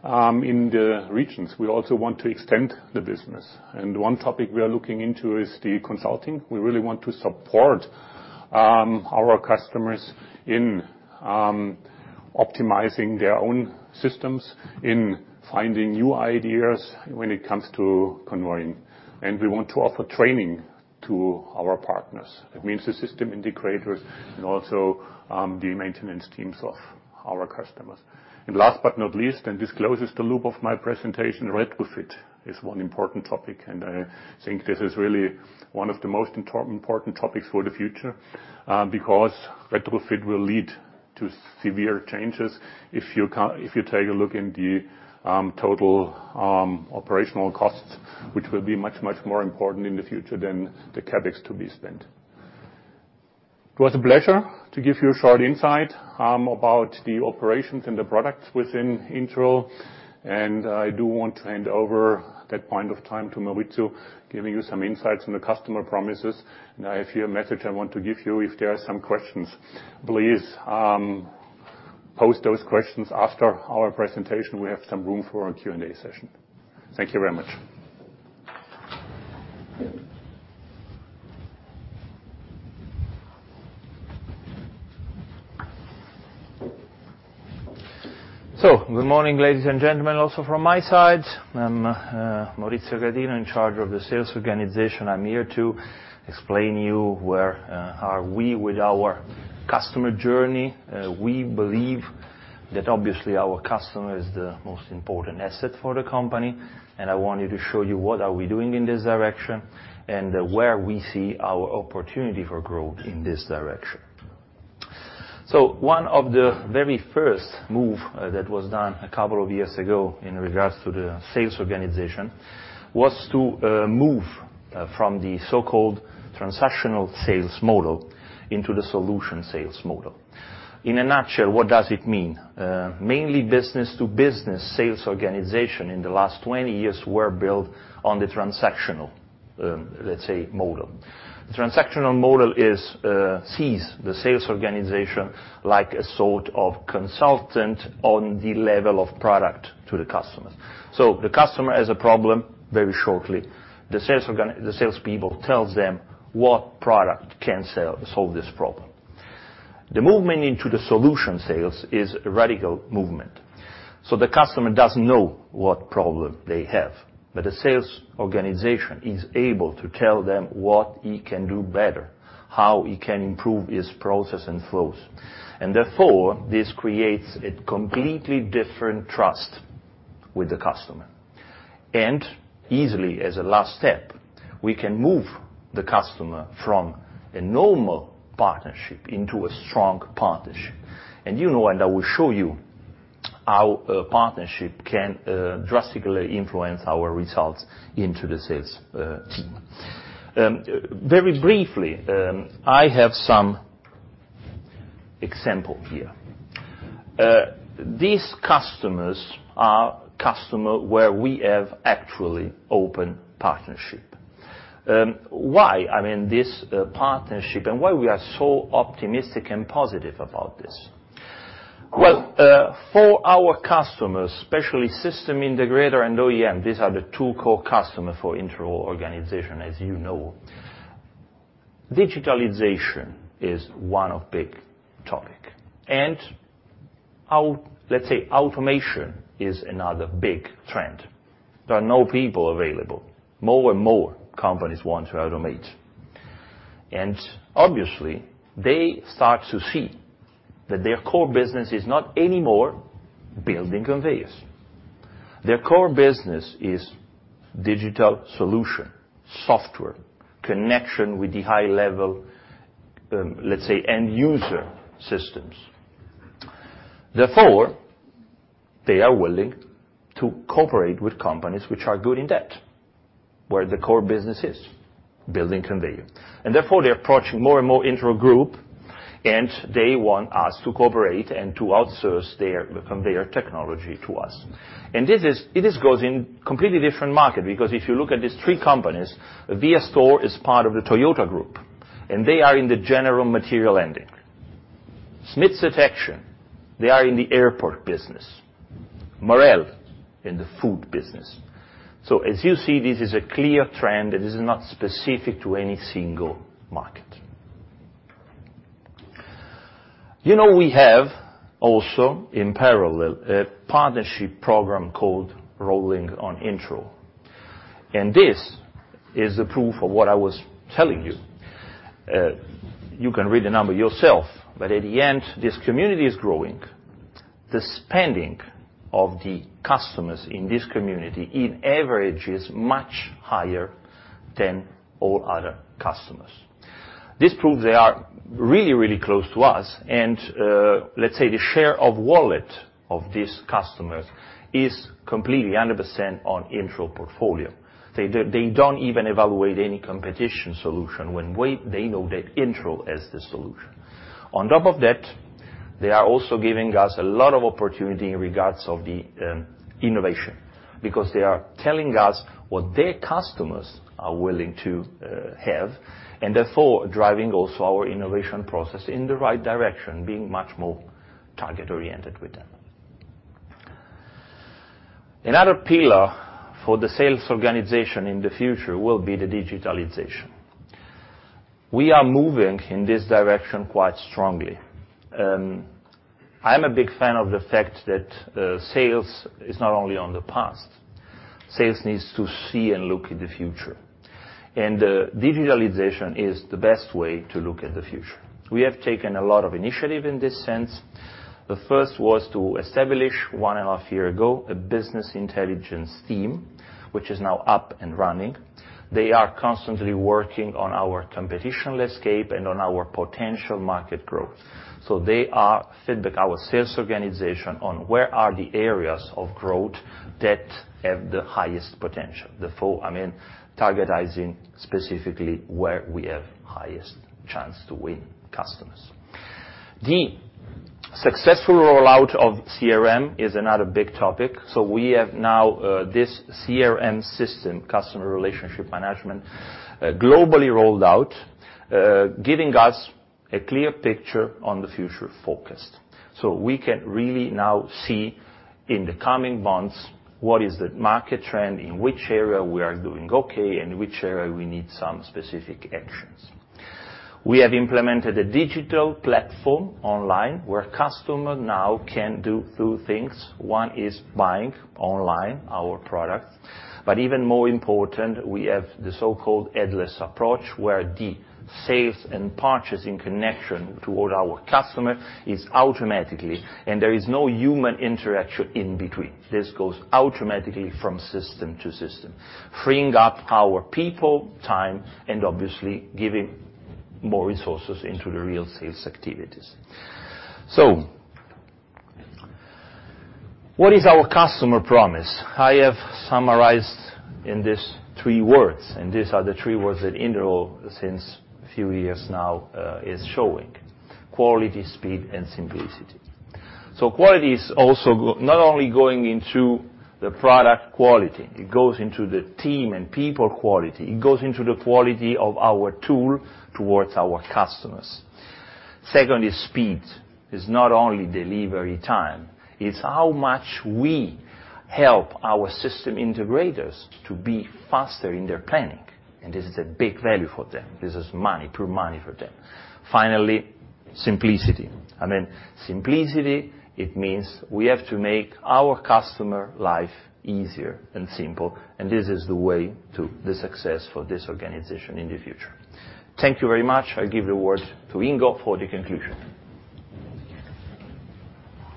in the regions. We also want to extend the business. One topic we are looking into is the consulting. We really want to support our customers in optimizing their own systems, in finding new ideas when it comes to conveying. We want to offer training to our partners. That means the system integrators and also the maintenance teams of our customers. Last but not least, and this closes the loop of my presentation, retrofit is one important topic, and I think this is really one of the most important topics for the future, because retrofit will lead to severe changes if you take a look in the total operational costs, which will be much, much more important in the future than the CapEx to be spent. It was a pleasure to give you a short insight about the operations and the products within Interroll, and I do want to hand over that point of time to Maurizio, giving you some insights on the customer promises. I have here a message I want to give you. If there are some questions, please post those questions after our presentation. We have some room for a Q&A session. Thank you very much. Good morning, ladies and gentlemen. Also from my side, I'm Maurizio Catino, in charge of the sales organization. I'm here to explain you where are we with our customer journey. We believe that obviously our customer is the most important asset for the company, and I wanted to show you what are we doing in this direction and where we see our opportunity for growth in this direction. One of the very first move that was done a couple of years ago in regards to the sales organization was to move from the so-called transactional sales model into the solution sales model. In a nutshell, what does it mean? Mainly business-to-business sales organization in the last 20 years were built on the transactional, let's say, model. The transactional model is, sees the sales organization like a sort of consultant on the level of product to the customers. The customer has a problem, very shortly, the sales people tells them what product can solve this problem. The movement into the solution sales is a radical movement. The customer doesn't know what problem they have, but the sales organization is able to tell them what he can do better, how he can improve his process and flows. Therefore, this creates a completely different trust with the customer. Easily, as a last step, we can move the customer from a normal partnership into a strong partnership. You know, I will show you how a partnership can drastically influence our results into the sales team. Very briefly, I have some example here. These customers are customer where we have actually open partnership. Why? I mean, this partnership and why we are so optimistic and positive about this. Well, for our customers, especially system integrator and OEM, these are the two core customer for Interroll organization, as you know. Digitalization is one of big topic. Automation is another big trend. There are no people available. More and more companies want to automate. Obviously, they start to see that their core business is not anymore building conveyors. Their core business is digital solution, software, connection with the high level, let's say, end user systems. Therefore, they are willing to cooperate with companies which are good in that, where the core business is building conveyor. Therefore, they're approaching more and more Interroll Group, and they want us to cooperate and to outsource their, the conveyor technology to us. This goes in completely different market, because if you look at these three companies, viastore is part of the Toyota group, and they are in the general material handling. Schmitz Automation, they are in the airport business. Morel, in the food business. As you see, this is a clear trend, and this is not specific to any single market. You know, we have also, in parallel, a partnership program called Roll on Interroll. This is a proof of what I was telling you. You can read the number yourself, but at the end, this community is growing. The spending of the customers in this community, in average, is much higher than all other customers. This proves they are really, really close to us and, let's say, the share of wallet of these customers is completely 100% on Interroll portfolio. They don't even evaluate any competition solution when wait, they know that Interroll is the solution. On top of that, they are also giving us a lot of opportunity in regards of the innovation because they are telling us what their customers are willing to have, and therefore, driving also our innovation process in the right direction, being much more target-oriented with them. Another pillar for the sales organization in the future will be the digitalization. We are moving in this direction quite strongly. I'm a big fan of the fact that sales is not only on the past. Sales needs to see and look at the future. Digitalization is the best way to look at the future. We have taken a lot of initiative in this sense. The first was to establish, one and a half year ago, a business intelligence team, which is now up and running. They are constantly working on our competitional escape and on our potential market growth. They are feedback our sales organization on where are the areas of growth that have the highest potential. Therefore, I mean, targeting specifically where we have highest chance to win customers. The successful rollout of CRM is another big topic. We have now this CRM system, customer relationship management, globally rolled out, giving us a clear picture on the future forecast. We can really now see in the coming months what is the market trend, in which area we are doing okay, in which area we need some specific actions. We have implemented a digital platform online where customer now can do two things. One is buying online our products, but even more important, we have the so-called headless approach, where the sales and purchasing connection toward our customer is automatically, and there is no human interaction in between. This goes automatically from system to system, freeing up our people time and obviously giving more resources into the real sales activities. What is our customer promise? I have summarized in these three words, and these are the three words that Interroll, since a few years now, is showing: quality, speed, and simplicity. Quality is also not only going into the product quality, it goes into the team and people quality. It goes into the quality of our tool towards our customers. Secondly, speed is not only delivery time, it is how much we help our system integrators to be faster in their planning, and this is a big value for them. This is money, pure money for them. Finally, simplicity. I mean, simplicity, it means we have to make our customer life easier and simple, and this is the way to the success for this organization in the future. Thank you very much. I give the word to Ingo for the conclusion.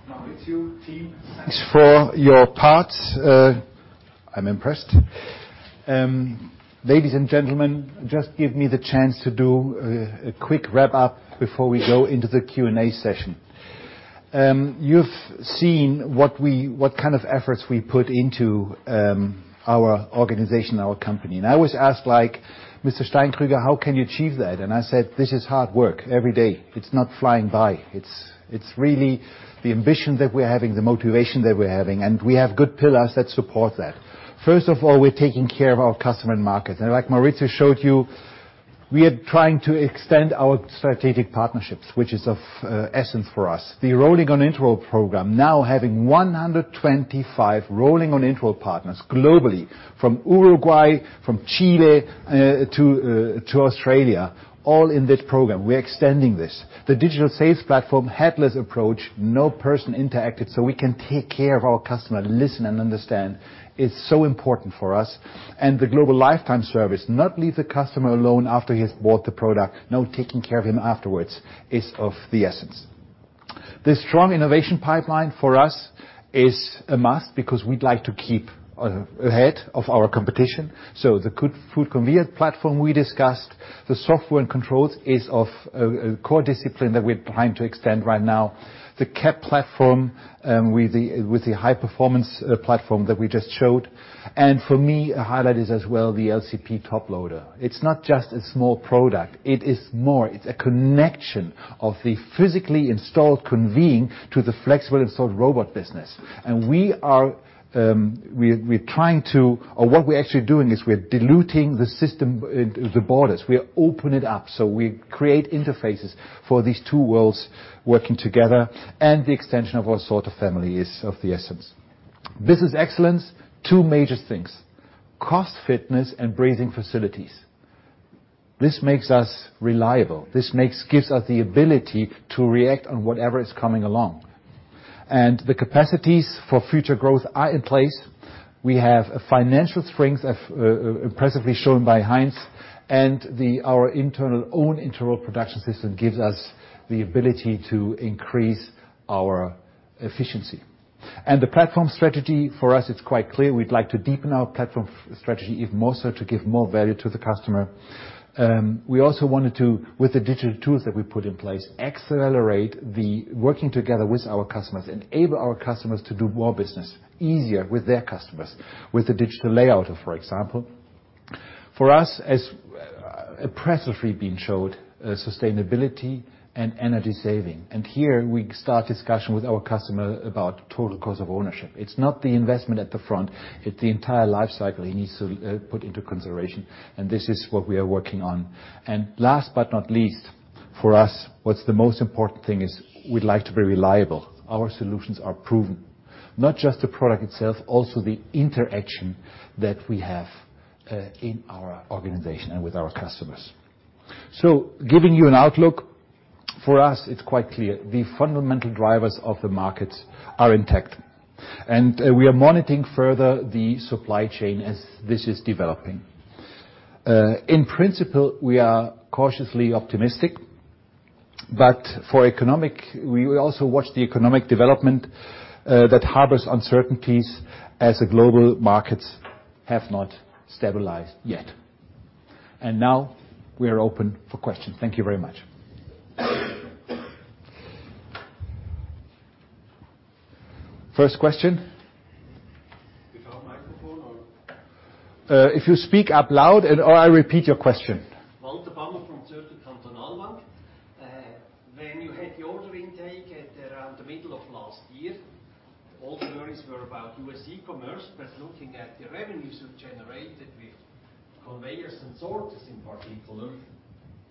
Maurizio, team, thanks for your part. I'm impressed. Ladies and gentlemen, just give me the chance to do a quick wrap-up before we go into the Q&A session. You've seen what kind of efforts we put into our organization, our company, and I was asked like, "Mr. Steinkrüger, how can you achieve that?" I said, "This is hard work every day. It's not flying by." It's really the ambition that we're having, the motivation that we're having, and we have good pillars that support that. First of all, we're taking care of our customer and market. Like Maurizio showed you, we are trying to extend our strategic partnerships, which is of essence for us. The Rolling on Interroll program now having 125 Rolling on Interroll partners globally, from Uruguay, from Chile, to Australia, all in this program. We're extending this. The digital sales platform, headless approach, no person interacted, so we can take care of our customer, listen and understand. It's so important for us. The global lifetime service, not leave the customer alone after he has bought the product, no taking care of him afterwards, is of the essence. The strong innovation pipeline for us is a must, because we'd like to keep ahead of our competition, so the good food convenience platform we discussed. The software and controls is of a core discipline that we're trying to extend right now. The HPP platform, with the High-Performance platform that we just showed. For me, a highlight is as well the LCP top loader. It's not just a small product. It is more. It's a connection of the physically installed convening to the flexible installed robot business. We are actually doing is we're diluting the system, the borders. We open it up, we create interfaces for these two worlds working together, the extension of our sorter family is of the essence. Business excellence, two major things: cost-fitness and breathing facilities. This makes us reliable. This gives us the ability to react on whatever is coming along. The capacities for future growth are in place. We have a financial strength impressively shown by Heinz, our own internal production system gives us the ability to increase our efficiency. The platform strategy for us, it's quite clear. We'd like to deepen our platform strategy even more so to give more value to the customer. We also wanted to, with the digital tools that we put in place, accelerate the working together with our customers, enable our customers to do more business easier with their customers, with the digital Layouter, for example. For us, as impressively being showed, sustainability and energy saving, and here we start discussion with our customer about Total Cost of Ownership. It's not the investment at the front, it's the entire life cycle he needs to put into consideration, and this is what we are working on. Last but not least, for us, what's the most important thing is we'd like to be reliable. Our solutions are proven. Not just the product itself, also the interaction that we have in our organization and with our customers. Giving you an outlook, for us, it's quite clear. The fundamental drivers of the markets are intact, and we are monitoring further the supply chain as this is developing. In principle, we are cautiously optimistic, but we also watch the economic development that harbors uncertainties as the global markets have not stabilized yet. Now we are open for questions. Thank you very much. First question. Without microphone or? If you speak up loud or I repeat your question. When you had the order intake at around the middle of last year, all queries were about U.S. e-commerce, but looking at the revenues you generated with conveyors and sorters in particular,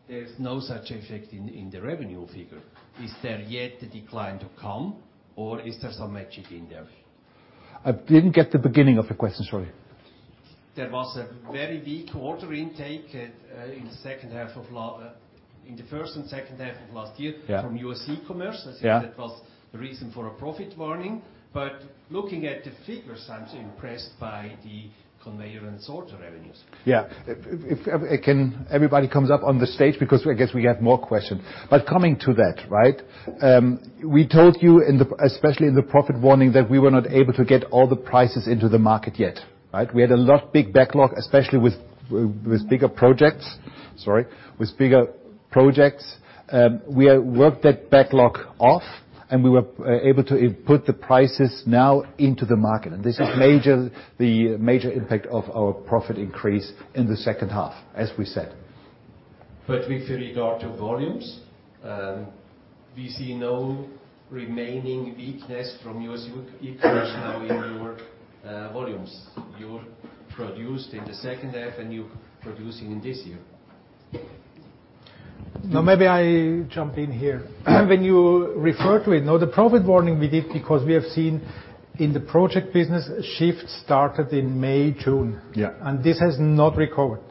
there's no such effect in the revenue figure. Is there yet a decline to come, or is there some magic in there? I didn't get the beginning of the question, sorry. There was a very weak order intake at, in the first and H2 of last year. Yeah from U.S. e-commerce. Yeah. I think that was the reason for a profit warning, but looking at the figures, I'm impressed by the conveyor and sorter revenues. Yeah. If, again, everybody comes up on the stage because I guess we have more questions. Coming to that, right? We told you in the, especially in the profit warning that we were not able to get all the prices into the market yet, right? We had a lot big backlog, especially with bigger projects. Sorry. With bigger projects. We have worked that backlog off, and we were able to input the prices now into the market, and this is major, the major impact of our profit increase in the H2, as we said. With regard to volumes, we see no remaining weakness from U.S. e-commerce now in your volumes. You produced in the H2, and you're producing in this year. Now maybe I jump in here. When you refer to it, no, the profit warning we did because we have seen In the project business, a shift started in May, June. Yeah. This has not recovered.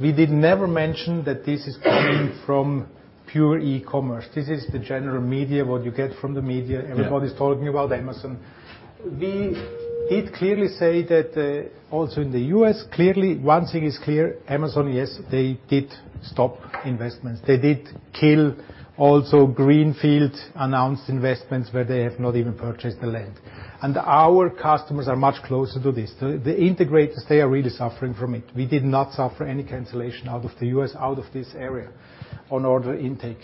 We did never mention that this is coming from pure e-commerce. This is the general media, what you get from the media. Yeah. Everybody's talking about Amazon. We did clearly say that, also in the US, clearly, one thing is clear, Amazon, yes, they did stop investments. They did kill also greenfield announced investments where they have not even purchased the land. Our customers are much closer to this. The integrators, they are really suffering from it. We did not suffer any cancellation out of the US, out of this area on order intake.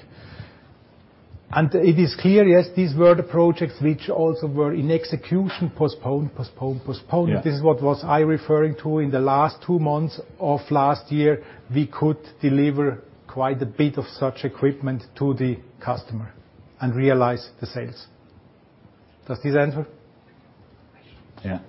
It is clear, yes, these were the projects which also were in execution postponed, postponed. Yeah. This is what was I referring to. In the last 2 months of last year, we could deliver quite a bit of such equipment to the customer and realize the sales. Does this answer? Yeah.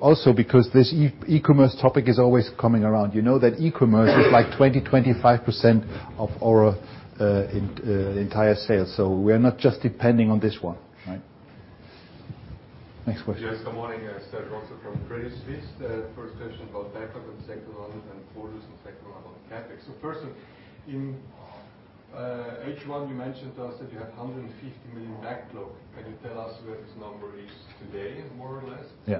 Also, because this e-commerce topic is always coming around. You know that e-commerce is like 20 to 25% of our entire sales. We're not just depending on this one, right? Next question. Yes, good morning. Serge Rotzer from Credit Suisse. First question about backlog in the H2 and orders in the H2 on the CapEx. First, in H1 you mentioned to us that you have 150 million backlog. Can you tell us where this number is today, more or less? Yeah.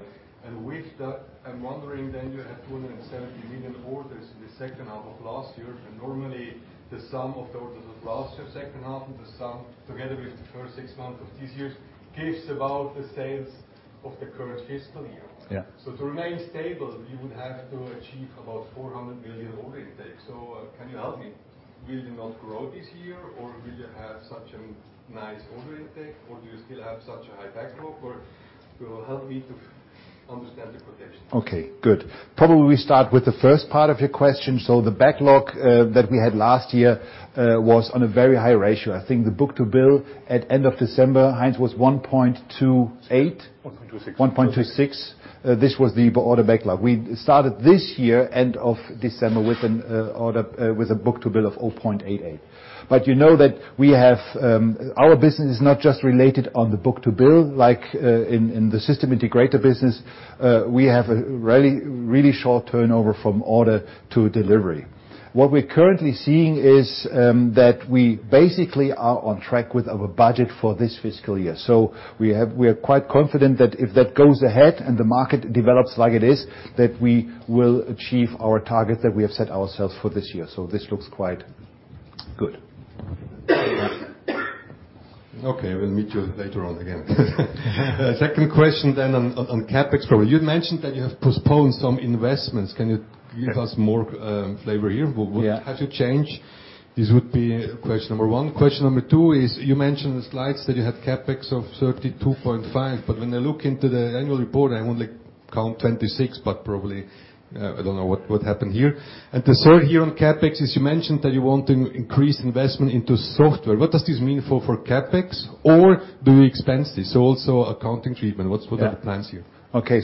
With that, I'm wondering then you had 270 million orders in the H2 of last year. Normally, the sum of orders of last year H2 and the sum together with the first 6 months of this year gives about the sales of the current fiscal year. Yeah. To remain stable, you would have to achieve about 400 million order intake. Can you help me? Will you not grow this year, or will you have such a nice order intake, or do you still have such a high backlog, or will help me to understand the potential? Okay, good. Probably start with the first part of your question. The backlog, that we had last year, was on a very high ratio. I think the book-to-bill at end of December, Heinz, was 1.28. 1.26. 1.26. This was the order backlog. We started this year, end of December, with a book-to-bill of 0.88. You know that we have. Our business is not just related on the book-to-bill. Like, in the system integrator business, we have a really short turnover from order to delivery. What we're currently seeing is that we basically are on track with our budget for this fiscal year. We are quite confident that if that goes ahead and the market develops like it is, that we will achieve our target that we have set ourselves for this year. This looks quite good. Okay, we'll meet you later on again. Second question on CapEx. You mentioned that you have postponed some investments. Can you give us more flavor here? Yeah. What has it changed? This would be question number one. Question number two is you mentioned in the slides that you have CapEx of 32.5, but when I look into the annual report, I only count 26, but probably, I don't know what happened here. The third here on CapEx is you mentioned that you want to increase investment into software. What does this mean for CapEx, or do we expense this? So also accounting treatment, what are the plans here? Okay.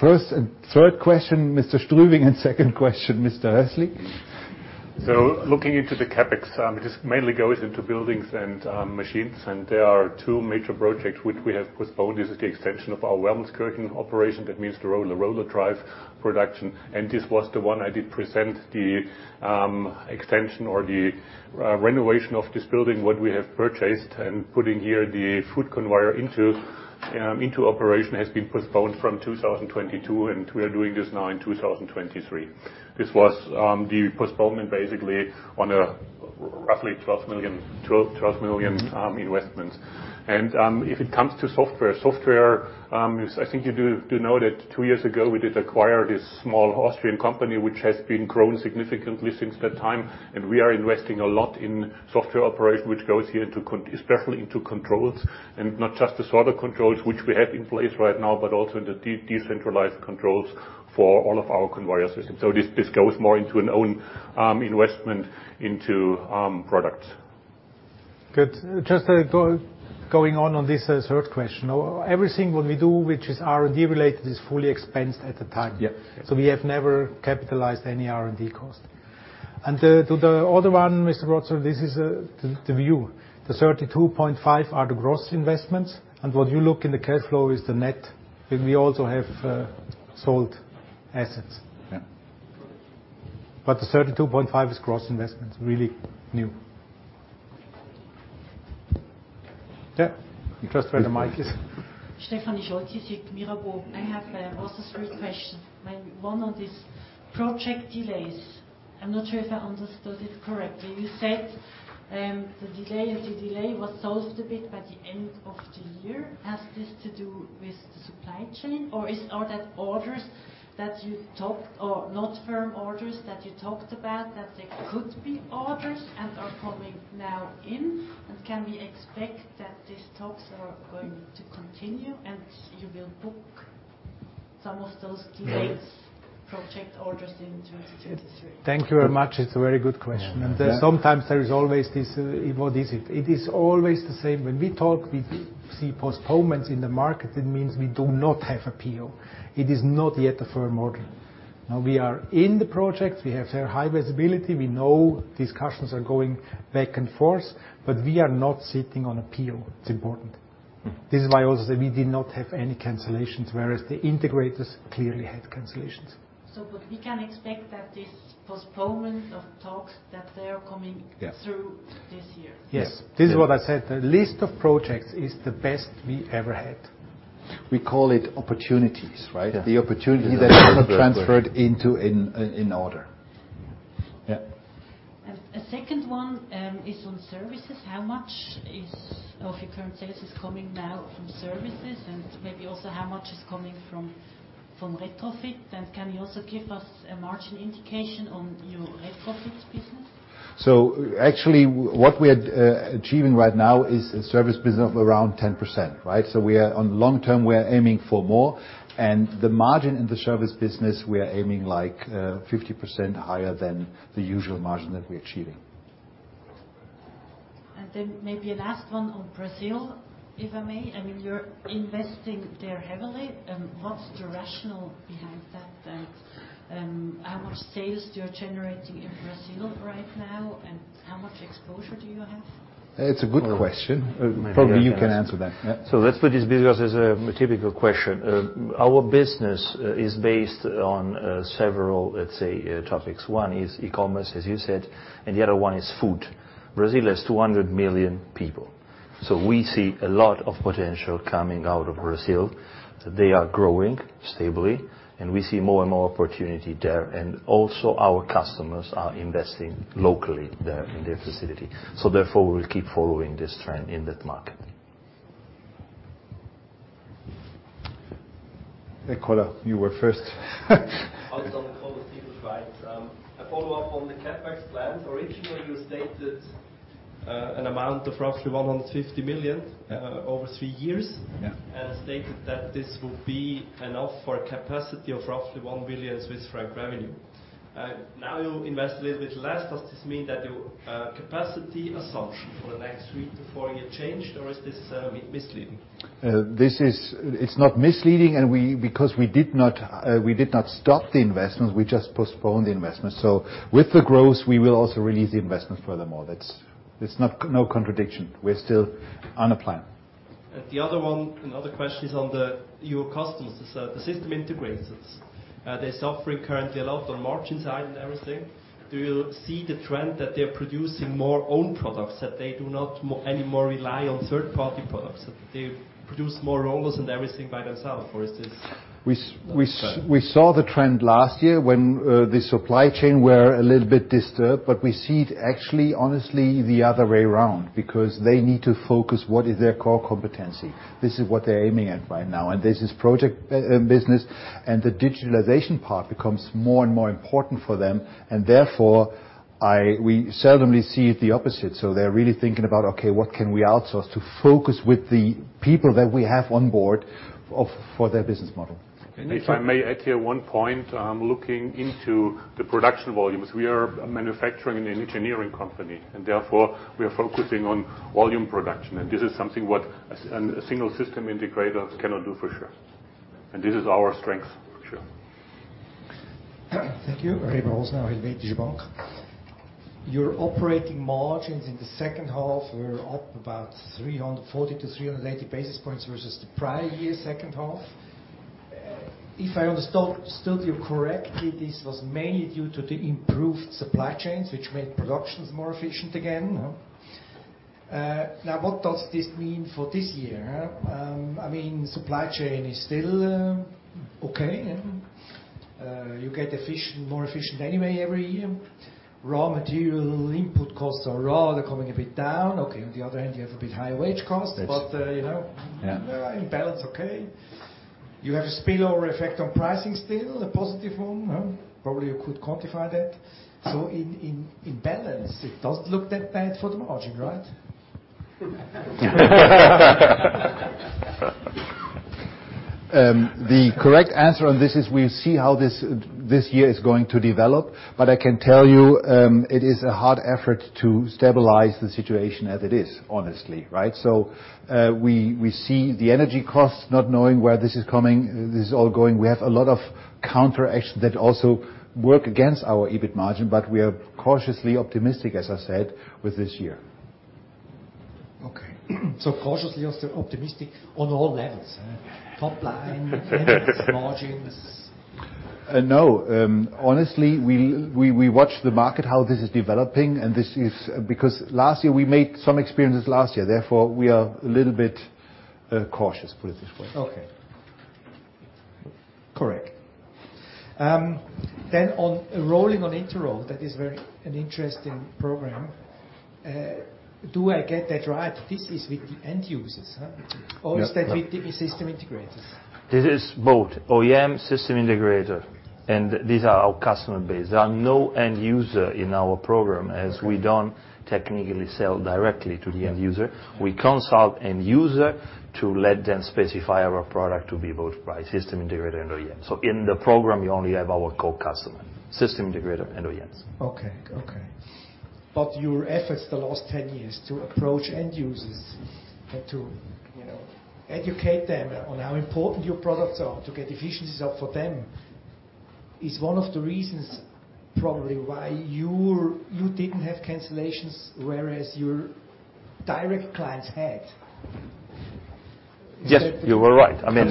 First and third question, Mr. Strüwing, and second question, Mr. Hössli. Looking into the CapEx, it just mainly goes into buildings and machines, and there are two major projects which we have postponed. This is the extension of our Wermelskirchen operation. That means the RollerDrive production. This was the one I did present the extension or the renovation of this building, what we have purchased. Putting here the food conveyor into operation has been postponed from 2022, and we are doing this now in 2023. This was the postponement basically on a roughly 12 million investment. If it comes to software, is I think you do know that two years ago, we did acquire this small Austrian company, which has been grown significantly since that time, and we are investing a lot in software operation, which goes here into especially into controls. Not just the sort of controls which we have in place right now, but also in the decentralized controls for all of our conveyor systems. This goes more into an own investment into products. Good. Just, going on this, third question. Everything what we do, which is R&D related, is fully expensed at the time. Yeah. We have never capitalized any R&D cost. To the other one, Mr. Rotzer, this is the view. The 32.5 are the gross investments. What you look in the cash flow is the net, and we also have sold assets. Yeah. The 32.5 is gross investments, really new. Yeah. Just where the mic is. I have also three questions. One on this project delays. I am not sure if I understood it correctly. You said, the delay of the delay was solved a bit by the end of the year. Has this to do with the supply chain, or are that orders that you talked or not firm orders that you talked about that there could be orders and are coming now in? Can we expect that these talks are going to continue and you will book some of those delays project orders in 2023? Thank you very much. It's a very good question. Yeah. Sometimes there is always this, what is it? It is always the same. When we talk, we see postponements in the market, it means we do not have a PO. It is not yet a firm order. Now we are in the project, we have very high visibility. We know discussions are going back and forth, but we are not sitting on a PO, it's important. This is why also we did not have any cancellations, whereas the integrators clearly had cancellations. We can expect that this postponement of talks, that they are. Yeah through this year? Yes. Yes. This is what I said. The list of projects is the best we ever had. We call it opportunities, right? Yeah. The opportunities that are transferred into an order. Yeah. Yeah. A second one is on services. How much of your current sales is coming now from services? Maybe also how much is coming from retrofit? Can you also give us a margin indication on your retrofit business? Actually, what we are achieving right now is a service business of around 10%, right? On long term, we are aiming for more. The margin in the service business, we are aiming like, 50% higher than the usual margin that we're achieving. Maybe last one on Brazil, if I may. I mean, you're investing there heavily. What's the rationale behind that? How much sales you're generating in Brazil right now, and how much exposure do you have? It's a good question. Maybe. Probably you can answer that. Yeah. Let's put this because it's a typical question. Our business is based on several, let's say, topics. One is e-commerce, as you said, and the other one is food. Brazil has 200 million people, so we see a lot of potential coming out of Brazil. They are growing stably, and we see more and more opportunity there. Also, our customers are investing locally there in their facility. Therefore, we will keep following this trend in that market. Hey, Colin, you were first. Also, on the call with people, right. A follow-up on the CapEx plans. Originally, you stated an amount of roughly 150 million. Yeah over three years. Yeah. Stated that this would be enough for a capacity of roughly 1 billion Swiss franc revenue. Now you invest a little bit less. Does this mean that your capacity assumption for the next 3 to 4 year changed, or is this misleading? It's not misleading, because we did not stop the investments, we just postponed the investments. With the growth, we will also release the investments furthermore. That's not no contradiction. We're still on a plan. The other one, another question is on your customers, the system integrators. They're suffering currently a lot on margin side and everything. Do you see the trend that they're producing more own products, that they do not anymore rely on third-party products? That they produce more rollers and everything by themselves, or is this not a trend? We saw the trend last year when the supply chain were a little bit disturbed. We see it actually, honestly, the other way around because they need to focus what is their core competency. This is what they're aiming at right now, and this is project business. The digitalization part becomes more and more important for them, and therefore, we seldomly see it the opposite. They're really thinking about, "Okay, what can we outsource to focus with the people that we have on board for their business model? If I may add here one point, looking into the production volumes. We are a manufacturing and engineering company, and therefore we are focusing on volume production. This is something what a single system integrators cannot do for sure. This is our strength for sure. Thank you. Yeah. Remo Rosenau, Helvetische Bank. Your operating margins in the H2 were up about 340 to 380 basis points versus the prior year H2. If I understood you correctly, this was mainly due to the improved supply chains, which made productions more efficient again. Now what does this mean for this year, huh? I mean, supply chain is still okay. You get efficient, more efficient anyway every year. Raw material input costs are raw. They're coming a bit down. Okay, on the other hand, you have a bit higher wage costs. That's You know. Yeah. In balance, okay. You have a spillover effect on pricing still, a positive one. Probably you could quantify that. In balance, it doesn't look that bad for the margin, right? The correct answer on this is we'll see how this year is going to develop. I can tell you, it is a hard effort to stabilize the situation as it is, honestly, right? We see the energy costs not knowing where this is coming, this is all going. We have a lot of counteraction that also work against our EBIT margin, we are cautiously optimistic, as I said, with this year. Okay. cautiously optimistic on all levels, huh? Top line. Margins. No. Honestly, we watch the market, how this is developing. Because last year, we made some experiences last year, therefore, we are a little bit cautious, put it this way. Okay. Correct. On Rolling on Interroll, that is very, an interesting program. Do I get that right? This is with the end users, huh? Yeah. Is that with the system integrators? This is both OEM system integrator, and these are our customer base. There are no end user in our program. Okay as we don't technically sell directly to the end user. We consult end user to let them specify our product to be bought by system integrator and OEM. In the program, you only have our co-customer, system integrator and OEMs. Okay. Okay. Your efforts the last 10 years to approach end users and to, you know, educate them on how important your products are to get efficiencies up for them is one of the reasons probably why you didn't have cancellations, whereas your direct clients had. Yes, you are right. I mean.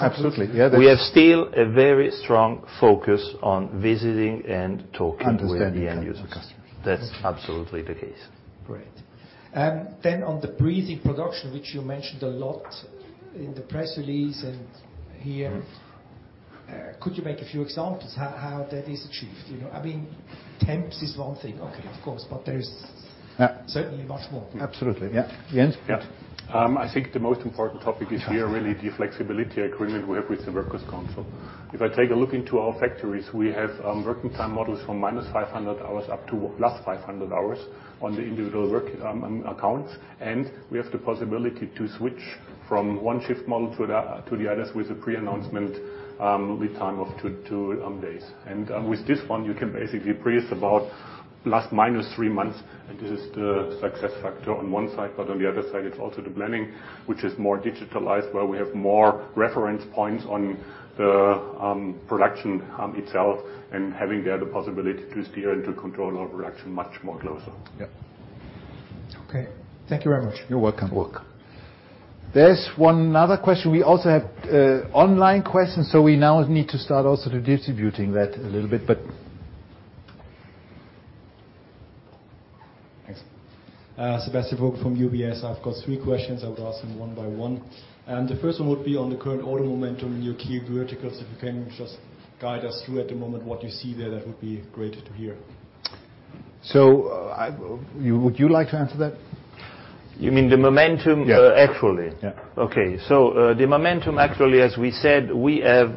Absolutely. We have still a very strong focus on visiting and talking with the end user. Understanding the customer. That's absolutely the case. Great. On the briefing production, which you mentioned a lot in the press release and here. Could you make a few examples how that is achieved? You know, I mean, temps is one thing. Okay, of course. Yeah. certainly, much more. Absolutely, yeah. Jens? Yeah. I think the most important topic is here really the flexibility agreement we have with the workers council. If I take a look into our factories, we have working time models from -500 hours up to last 500 hours on the individual work accounts. We have the possibility to switch from one shift model to the others with a pre-announcement lead time of 2 days. With this one, you can basically brief about last -3 months. This is the success factor on 1 side, but on the other side it's also the planning, which is more digitalized, where we have more reference points on the production itself, and having there the possibility to steer and to control our production much more closer. Yeah. Okay. Thank you very much. You're welcome. You're welcome. There's one other question. We also have online questions. We now need to start also distributing that a little bit. Thanks. Sebastian Vogel from UBS. I've got three questions. I will ask them one by one. The first one would be on the current order momentum in your key verticals. If you can just guide us through at the moment what you see there, that would be great to hear. Would you like to answer that? You mean the momentum? Yeah. -actually? Yeah. Okay. The momentum actually, as we said, we have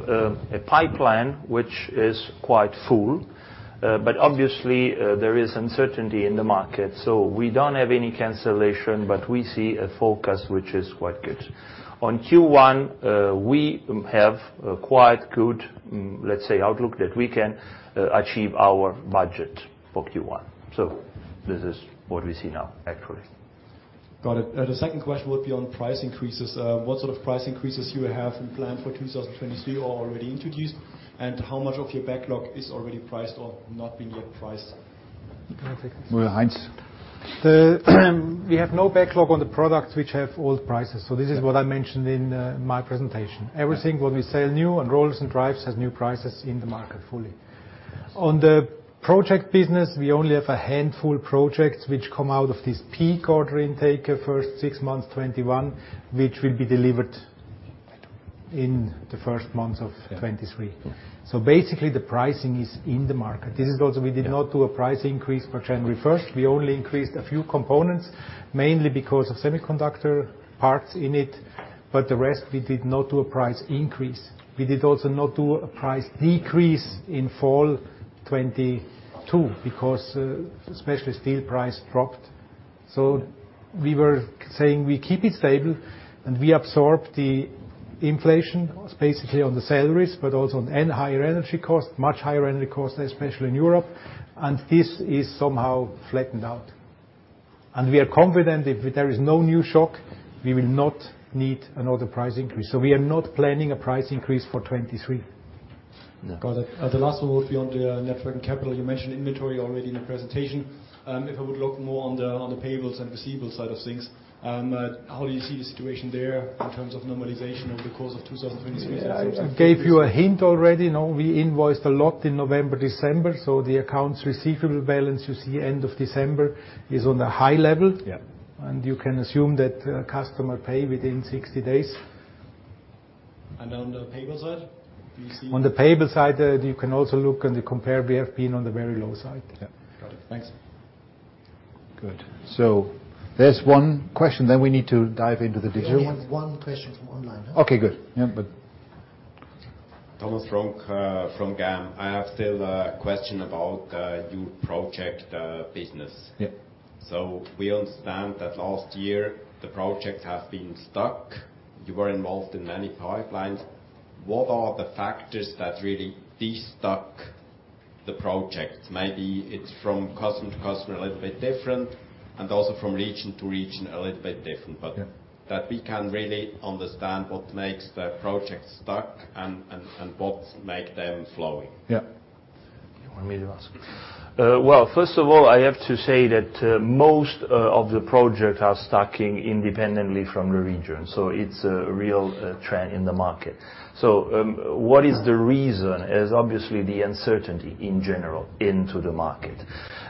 a pipeline which is quite full. Obviously, there is uncertainty in the market, so we don't have any cancellation, but we see a focus which is quite good. On Q1, we have a quite good, let's say, outlook, that we can achieve our budget for Q1. This is what we see now actually. Got it. The second question would be on price increases. What sort of price increases you have in plan for 2023 or already introduced, and how much of your backlog is already priced or not been yet priced? Can I take this? Heinz. We have no backlog on the products which have old prices. This is what I mentioned in my presentation. Everything what we sell new and rollers and drives has new prices in the market fully. On the project business, we only have a handful projects which come out of this peak order intake, first 6 months 2021, which will be delivered in the first months of 2023. Yeah. Basically, the pricing is in the market. This is also, we did not do a price increase per se. First, we only increased a few components, mainly because of semiconductor parts in it. The rest, we did not do a price increase. We did also not do a price decrease in fall 2022 because especially steel price dropped. We were saying we keep it stable and we absorb the inflation basically on the salaries, but also on even higher energy costs, much higher energy costs, especially in Europe. This is somehow flattened out. We are confident if there is no new shock, we will not need another price increase. We are not planning a price increase for 2023. No. Got it. The last one would be on the net working capital. You mentioned inventory already in the presentation. If I would look more on the, on the payables and receivables side of things, how do you see the situation there in terms of normalization over the course of 2023? Yeah. I gave you a hint already. No, we invoiced a lot in November, December. The accounts receivable balance you see end of December is on a high level. Yeah. You can assume that, customer pay within 60 days. On the payable side? On the payable side, you can also look and compare. We have been on the very low side. Yeah. Got it. Thanks. Good. There's one question then we need to dive into the digital. We only have one question from online. Okay, good. Yeah, but... Thomas Ronk from GAM. I have still a question about your project business. Yep. We understand that last year the projects have been stuck. You were involved in many pipelines. What are the factors that really de-stuck the projects? Maybe it's from customer to customer a little bit different and also from region to region a little bit different. Yeah. that we can really understand what makes the project stuck and what makes them flowing. Yeah. You want me to ask? Well, first of all, I have to say that most of the projects are stucking independently from the region, so it's a real trend in the market. What is the reason? Is obviously the uncertainty in general into the market.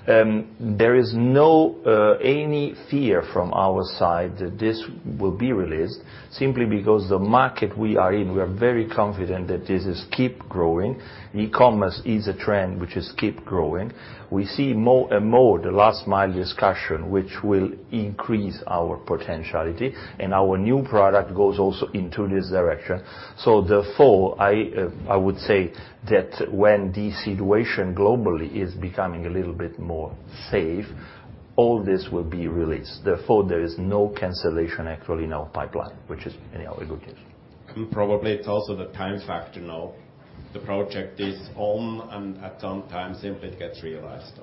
There is no any fear from our side that this will be released simply because the market we are in, we are very confident that this is keep growing. E-commerce is a trend which is keep growing. We see more and more the last mile discussion, which will increase our potentiality, and our new product goes also into this direction. Therefore, I would say that when the situation globally is becoming a little bit more safe. All this will be released. There is no cancellation actually in our pipeline, which is, anyhow, a good case. Probably it's also the time factor now. The project is on and at some time simply it gets realized.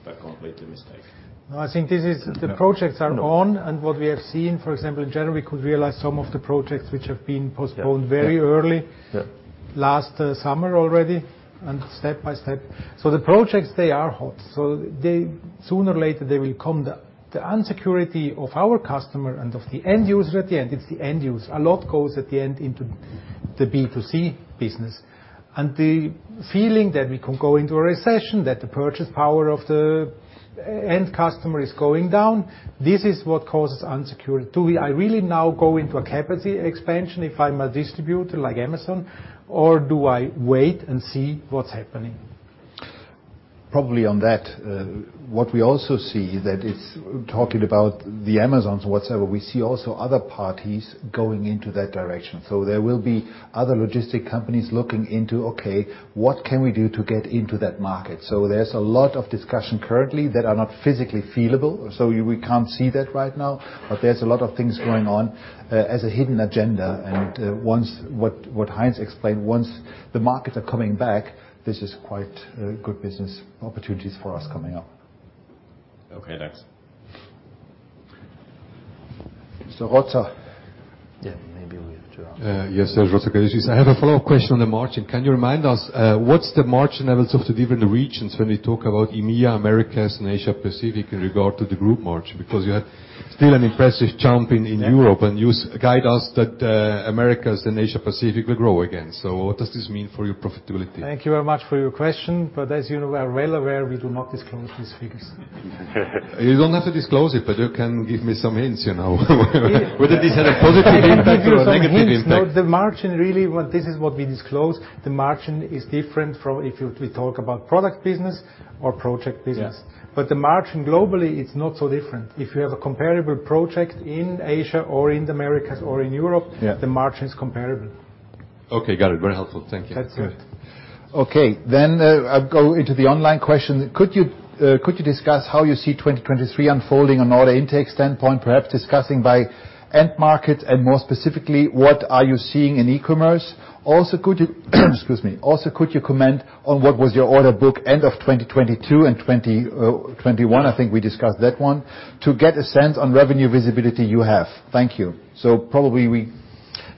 If I completely mistaken. No, I think this. No. The projects are on. No. What we have seen, for example, in general, we could realize some of the projects which have been postponed. Yeah very early. Yeah. Last summer already, step by step. The projects, they are hot. Sooner or later they will come. The insecurity of our customer and of the end user at the end, it's the end user. A lot goes at the end into the B2C business. The feeling that we could go into a recession, that the purchase power of the e-end customer is going down, this is what causes insecurity. Do I really now go into a capacity expansion if I'm a distributor like Amazon, or do I wait and see what's happening? Probably on that, what we also see that it's talking about the Amazon or whatever, we see also other parties going into that direction. There's a lot of discussion currently that are not physically feelable. We can't see that right now. There's a lot of things going on as a hidden agenda. Once what Heinz explained, once the markets are coming back, this is quite good business opportunities for us coming up. Okay. Thanks. Rotta. Yeah, maybe we have to ask. Yes, sir. I have a follow-up question on the margin. Can you remind us, what's the margin levels of the different regions when we talk about EMEA, Americas, and Asia Pacific in regard to the group margin? Because you have still an impressive jump in Europe, and you guide us that, Americas and Asia Pacific will grow again. What does this mean for your profitability? Thank you very much for your question, but as you are well aware, we do not disclose these figures. You don't have to disclose it, but you can give me some hints, you know. We- Whether this had a positive impact or a negative impact. I can give you some hints. No, the margin, really, what this is what we disclose, the margin is different from we talk about product business or project business. Yeah. The margin globally, it's not so different. If you have a comparable project in Asia or in the Americas or in Europe. Yeah the margin is comparable. Okay, got it. Very helpful. Thank you. That's it. Okay. I'll go into the online question. Could you discuss how you see 2023 unfolding on order intake standpoint, perhaps discussing by end market, and more specifically, what are you seeing in e-commerce? Could you comment on what was your order book end of 2022 and 2021, I think we discussed that one, to get a sense on revenue visibility you have. Thank you.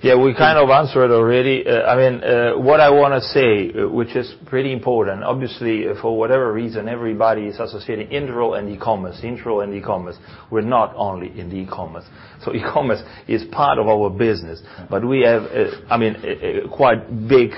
Yeah, we kind of answered already. I mean, what I wanna say, which is pretty important, obviously, for whatever reason, everybody is associating Interroll and e-commerce, Interroll and e-commerce. We're not only in the e-commerce. E-commerce is part of our business, but we have, I mean, a quite big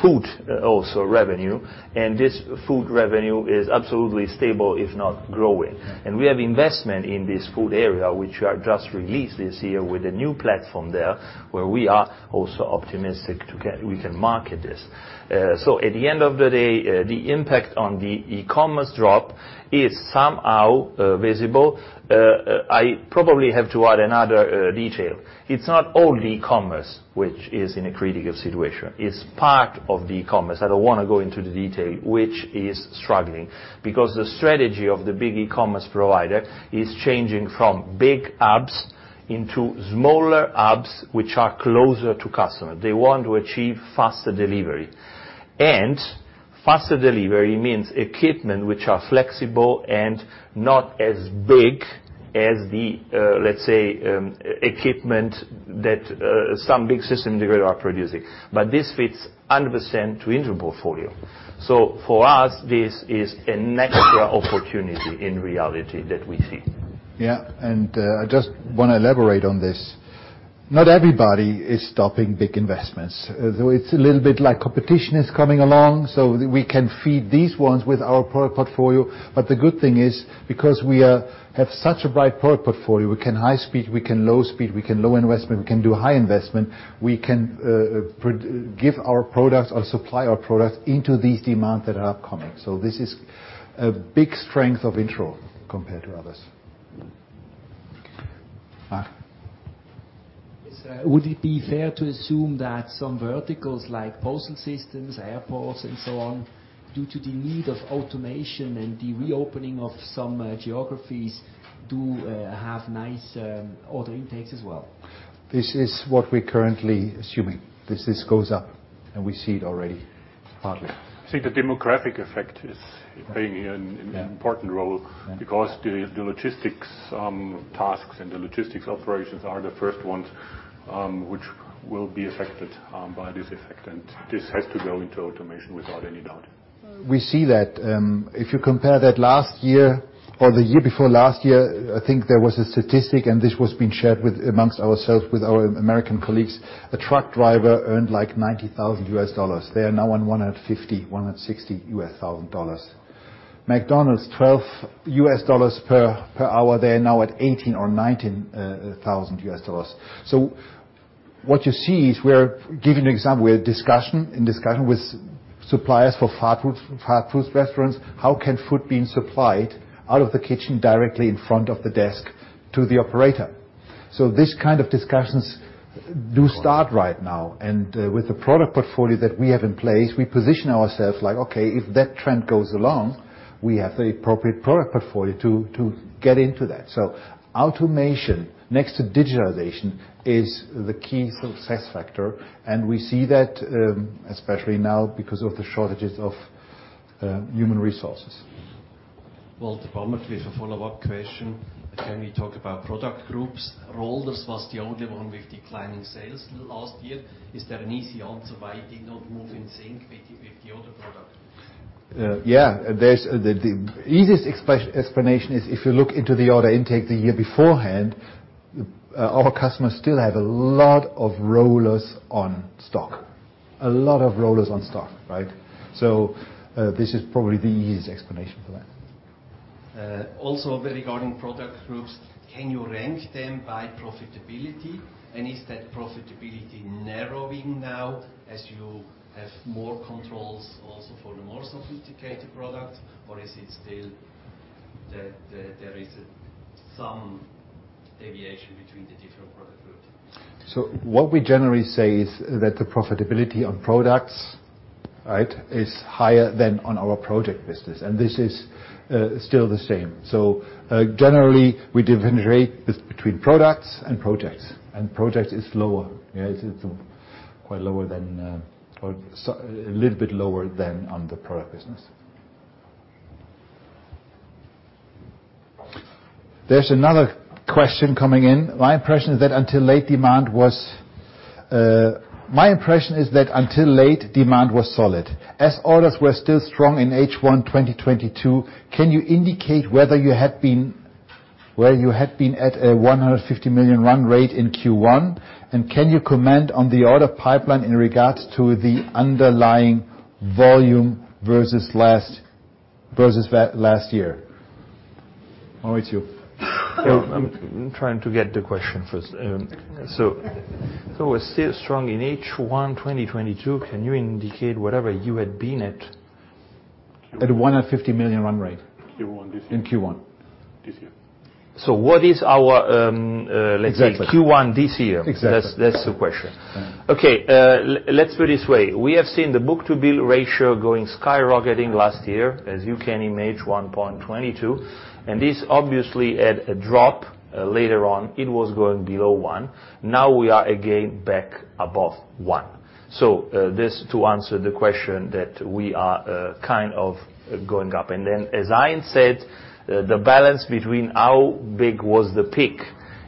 food also revenue, and this food revenue is absolutely stable, if not growing. We have investment in this food area, which we have just released this year with a new platform there, where we are also optimistic we can market this. At the end of the day, the impact on the e-commerce drop is somehow visible. I probably have to add another detail. It's not only e-commerce which is in a critical situation. It's part of the e-commerce, I don't wanna go into the detail, which is struggling. The strategy of the big e-commerce provider is changing from big hubs into smaller hubs which are closer to customer. They want to achieve faster delivery. Faster delivery means equipment which are flexible and not as big as the, let's say, equipment that some big system developer are producing. This fits 100% to Interroll portfolio. For us, this is an extra opportunity in reality that we see. Yeah. I just wanna elaborate on this. Not everybody is stopping big investments. Though it's a little bit like competition is coming along, so we can feed these ones with our product portfolio. The good thing is, because we have such a wide product portfolio, we can high speed, we can low speed, we can low investment, we can do high investment, we can give our products or supply our products into these demands that are upcoming. This is a big strength of Interroll compared to others. Mark. Yes, sir. Would it be fair to assume that some verticals like postal systems, airports, and so on, due to the need of automation and the reopening of some, geographies, do have nice, order intakes as well? This is what we're currently assuming, this goes up. We see it already partly. I think the demographic effect is playing an important role because the logistics tasks and the logistics operations are the first ones which will be affected by this effect. This has to go into automation without any doubt. We see that, if you compare that last year or the year before last year, I think there was a statistic, and this was being shared with amongst ourselves with our American colleagues. A truck driver earned like $90,000. They are now on $150,000-$160,000. McDonald's, $12 per hour. They are now at $18,000 or $19,000. What you see is we're giving an example. We're in discussion with suppliers for fast food, fast food restaurants, how can food being supplied out of the kitchen directly in front of the desk to the operator? This kind of discussions do start right now. With the product portfolio that we have in place, we position ourselves like, okay, if that trend goes along, we have the appropriate product portfolio to get into that. Automation next to digitization is the key success factor, and we see that especially now because of the shortages of human resources. Well, department with a follow-up question. Can we talk about product groups? Rollers was the only one with declining sales last year. Is there an easy answer why it did not move in sync with the other product groups? Yeah. The easiest explanation is if you look into the order intake the year beforehand, our customers still have a lot of rollers on stock. A lot of rollers on stock, right? This is probably the easiest explanation for that. Also regarding product groups, can you rank them by profitability? Is that profitability narrowing now as you have more controls also for the more sophisticated product? Or is it still that there is some deviation between the different product groups? What we generally say is that the profitability on products, right, is higher than on our project business, and this is still the same. Generally, we differentiate between products and projects, and projects is lower. Yeah, it's quite lower than a little bit lower than on the product business. There's another question coming in. My impression is that until late demand was solid. As orders were still strong in H1 2022, can you indicate whether you had been at a 100 million run rate in Q1, and can you comment on the order pipeline in regards to the underlying volume versus last year? Maurizio. I'm trying to get the question first. So we're still strong in H1 2022. Can you indicate whatever you had been? At 100 million run rate. Q1 this year. In Q1. This year. What is our. Exactly. Let's say Q1 this year. Exactly. That's the question. Okay. Let's put it this way. We have seen the book-to-bill ratio going skyrocketing last year, as you can imagine, 1.22, and this obviously had a drop later on, it was going below 1. Now we are again back above 1. This to answer the question that we are kind of going up. Then as Heinz said, the balance between how big was the peak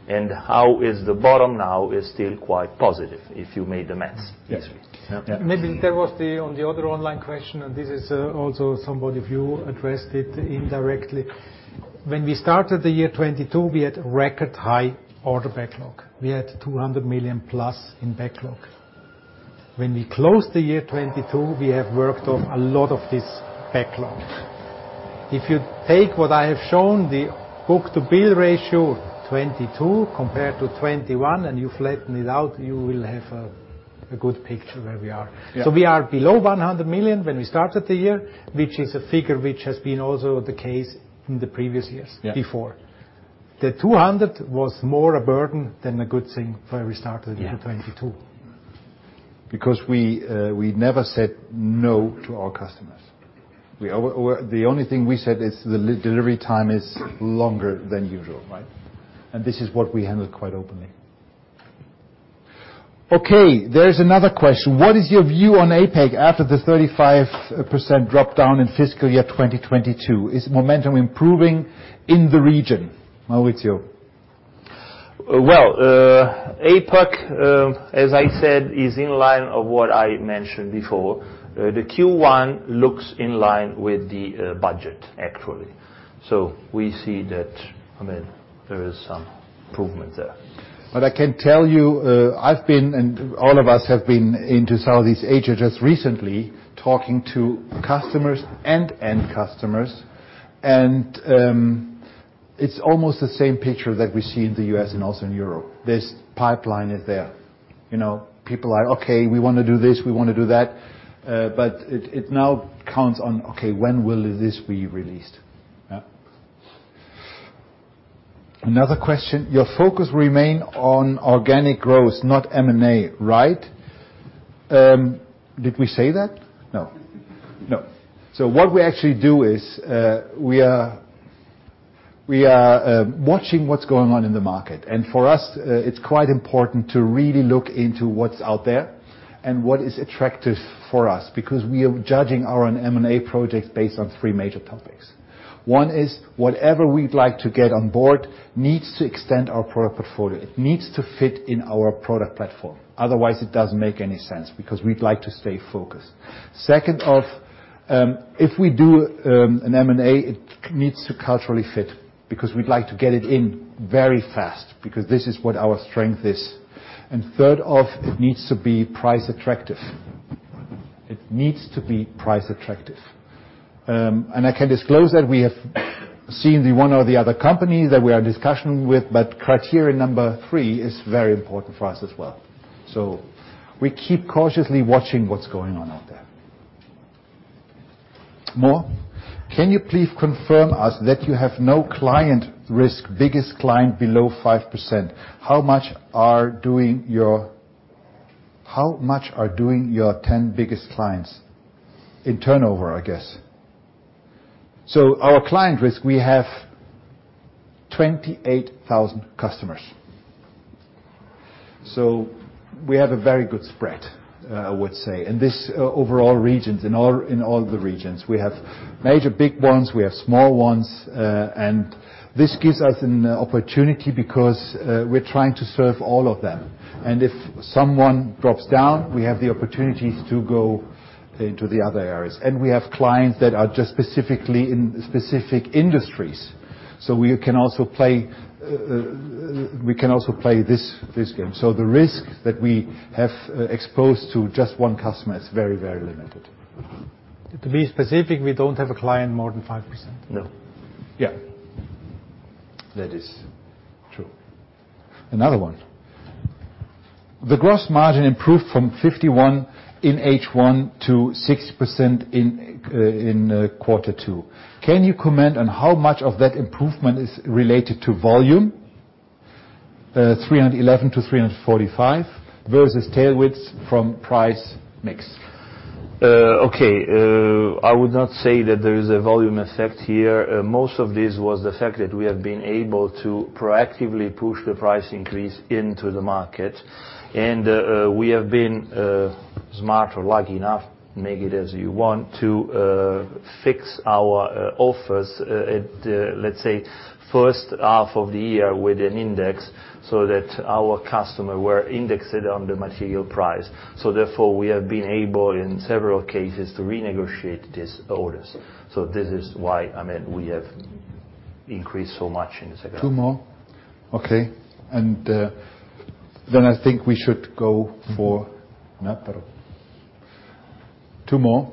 and how is the bottom now is still quite positive if you made the math. Yes. Maybe there was the, on the other online question. This is also somebody of you addressed it indirectly. When we started the year 2022, we had record high order backlog. We had 200 million-plus in backlog. When we closed the year 2022, we have worked on a lot of this backlog. If you take what I have shown, the book-to-bill ratio 2022 compared to 2021, you flatten it out, you will have a good picture where we are. Yeah. We are below 100 million when we started the year, which is a figure which has been also the case in the previous years. Yeah before. The 200 was more a burden than a good thing when we started in 2022. We never said no to our customers. Or the only thing we said is the delivery time is longer than usual, right? This is what we handled quite openly. There is another question. What is your view on APAC after the 35% drop down in fiscal year 2022? Is momentum improving in the region? Maurizio. APAC, as I said, is in line of what I mentioned before. The Q1 looks in line with the budget, actually. We see that, I mean, there is some improvement there. I can tell you, I've been and all of us have been into Southeast Asia just recently talking to customers and end customers, it's almost the same picture that we see in the U.S. and also in Europe. This pipeline is there. You know, people are, "Okay, we wanna do this, we wanna do that." It now counts on, okay, when will this be released? Yeah. Another question. Your focus remain on organic growth, not M&A, right? Did we say that? No. No. What we actually do is, we are watching what's going on in the market. For us, it's quite important to really look into what's out there and what is attractive for us because we are judging our own M&A projects based on three major topics. One is whatever we'd like to get on board needs to extend our product portfolio. It needs to fit in our product platform. Otherwise, it doesn't make any sense because we'd like to stay focused. Second of, if we do an M&A, it needs to culturally fit because we'd like to get it in very fast because this is what our strength is. Third of, it needs to be price attractive. It needs to be price attractive. I can disclose that we have seen the one or the other company that we are discussing with, but criteria number three is very important for us as well. We keep cautiously watching what's going on out there. More. Can you please confirm us that you have no client risk, biggest client below 5%? How much are doing your 10 biggest clients in turnover, I guess? Our client risk, we have 28,000 customers. We have a very good spread, I would say. In this overall regions, in all the regions. We have major big ones, we have small ones, and this gives us an opportunity because we're trying to serve all of them. If someone drops down, we have the opportunities to go into the other areas. We have clients that are just specifically in specific industries. We can also play this game. The risk that we have, exposed to just one customer is very, very limited. To be specific, we don't have a client more than 5%. No. Yeah. That is true. Another one. The gross margin improved from 51% in H1 to 6% in Q2. Can you comment on how much of that improvement is related to volume, 311 to 345, versus tailwinds from price mix? Okay. I would not say that there is a volume effect here. Most of this was the fact that we have been able to proactively push the price increase into the market. We have been smart or lucky enough, make it as you want, to fix our offers at, let's say, H1 of the year with an index, so that our customer were indexed on the material price. Therefore, we have been able, in several cases, to renegotiate these orders. This is why, I mean, we have increased so much in the H2. Two more. Okay. Then I think we should go for. No, pero. Two more.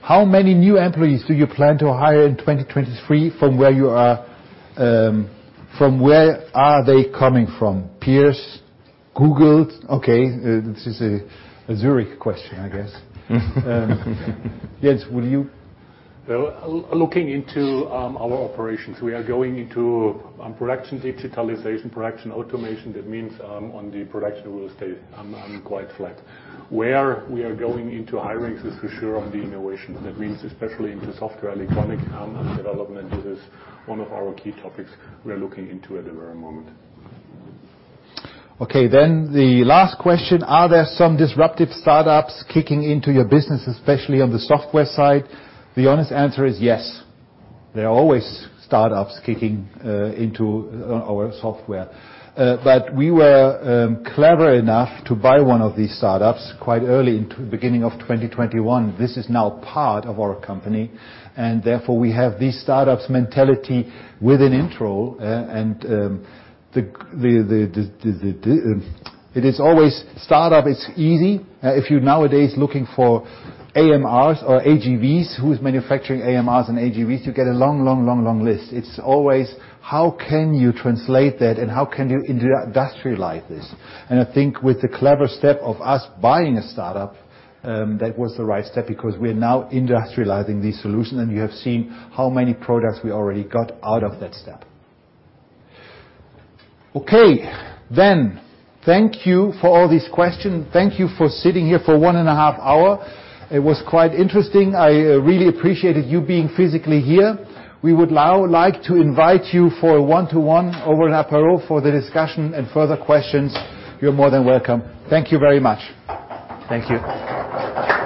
How many new employees do you plan to hire in 2023 from where you are, from where are they coming from? Peers, Google? Okay, this is a Zurich question, I guess. Jens, will you? Looking into our operations, we are going into production digitalization, production automation. On the production we will stay quite flat. Where we are going into hirings is for sure on the innovation. Especially into software, electronic development. This is one of our key topics we are looking into at the very moment. Okay. The last question, are there some disruptive startups kicking into your business, especially on the software side? The honest answer is yes. There are always startups kicking into our software. We were clever enough to buy one of these startups quite early into beginning of 2021. This is now part of our company. Therefore we have this startup's mentality within Interroll. Startup is easy. If you nowadays looking for AMRs or AGVs, who's manufacturing AMRs and AGVs, you get a long, long, long, long list. It's always how can you translate that and how can you industrialize this? I think with the clever step of us buying a startup, that was the right step because we are now industrializing this solution, and you have seen how many products we already got out of that step. Okay. Thank you for all these questions. Thank you for sitting here for one and a half hour. It was quite interesting. I really appreciated you being physically here. We would now like to invite you for a one-to-one over in apero for the discussion and further questions. You're more than welcome. Thank you very much. Thank you.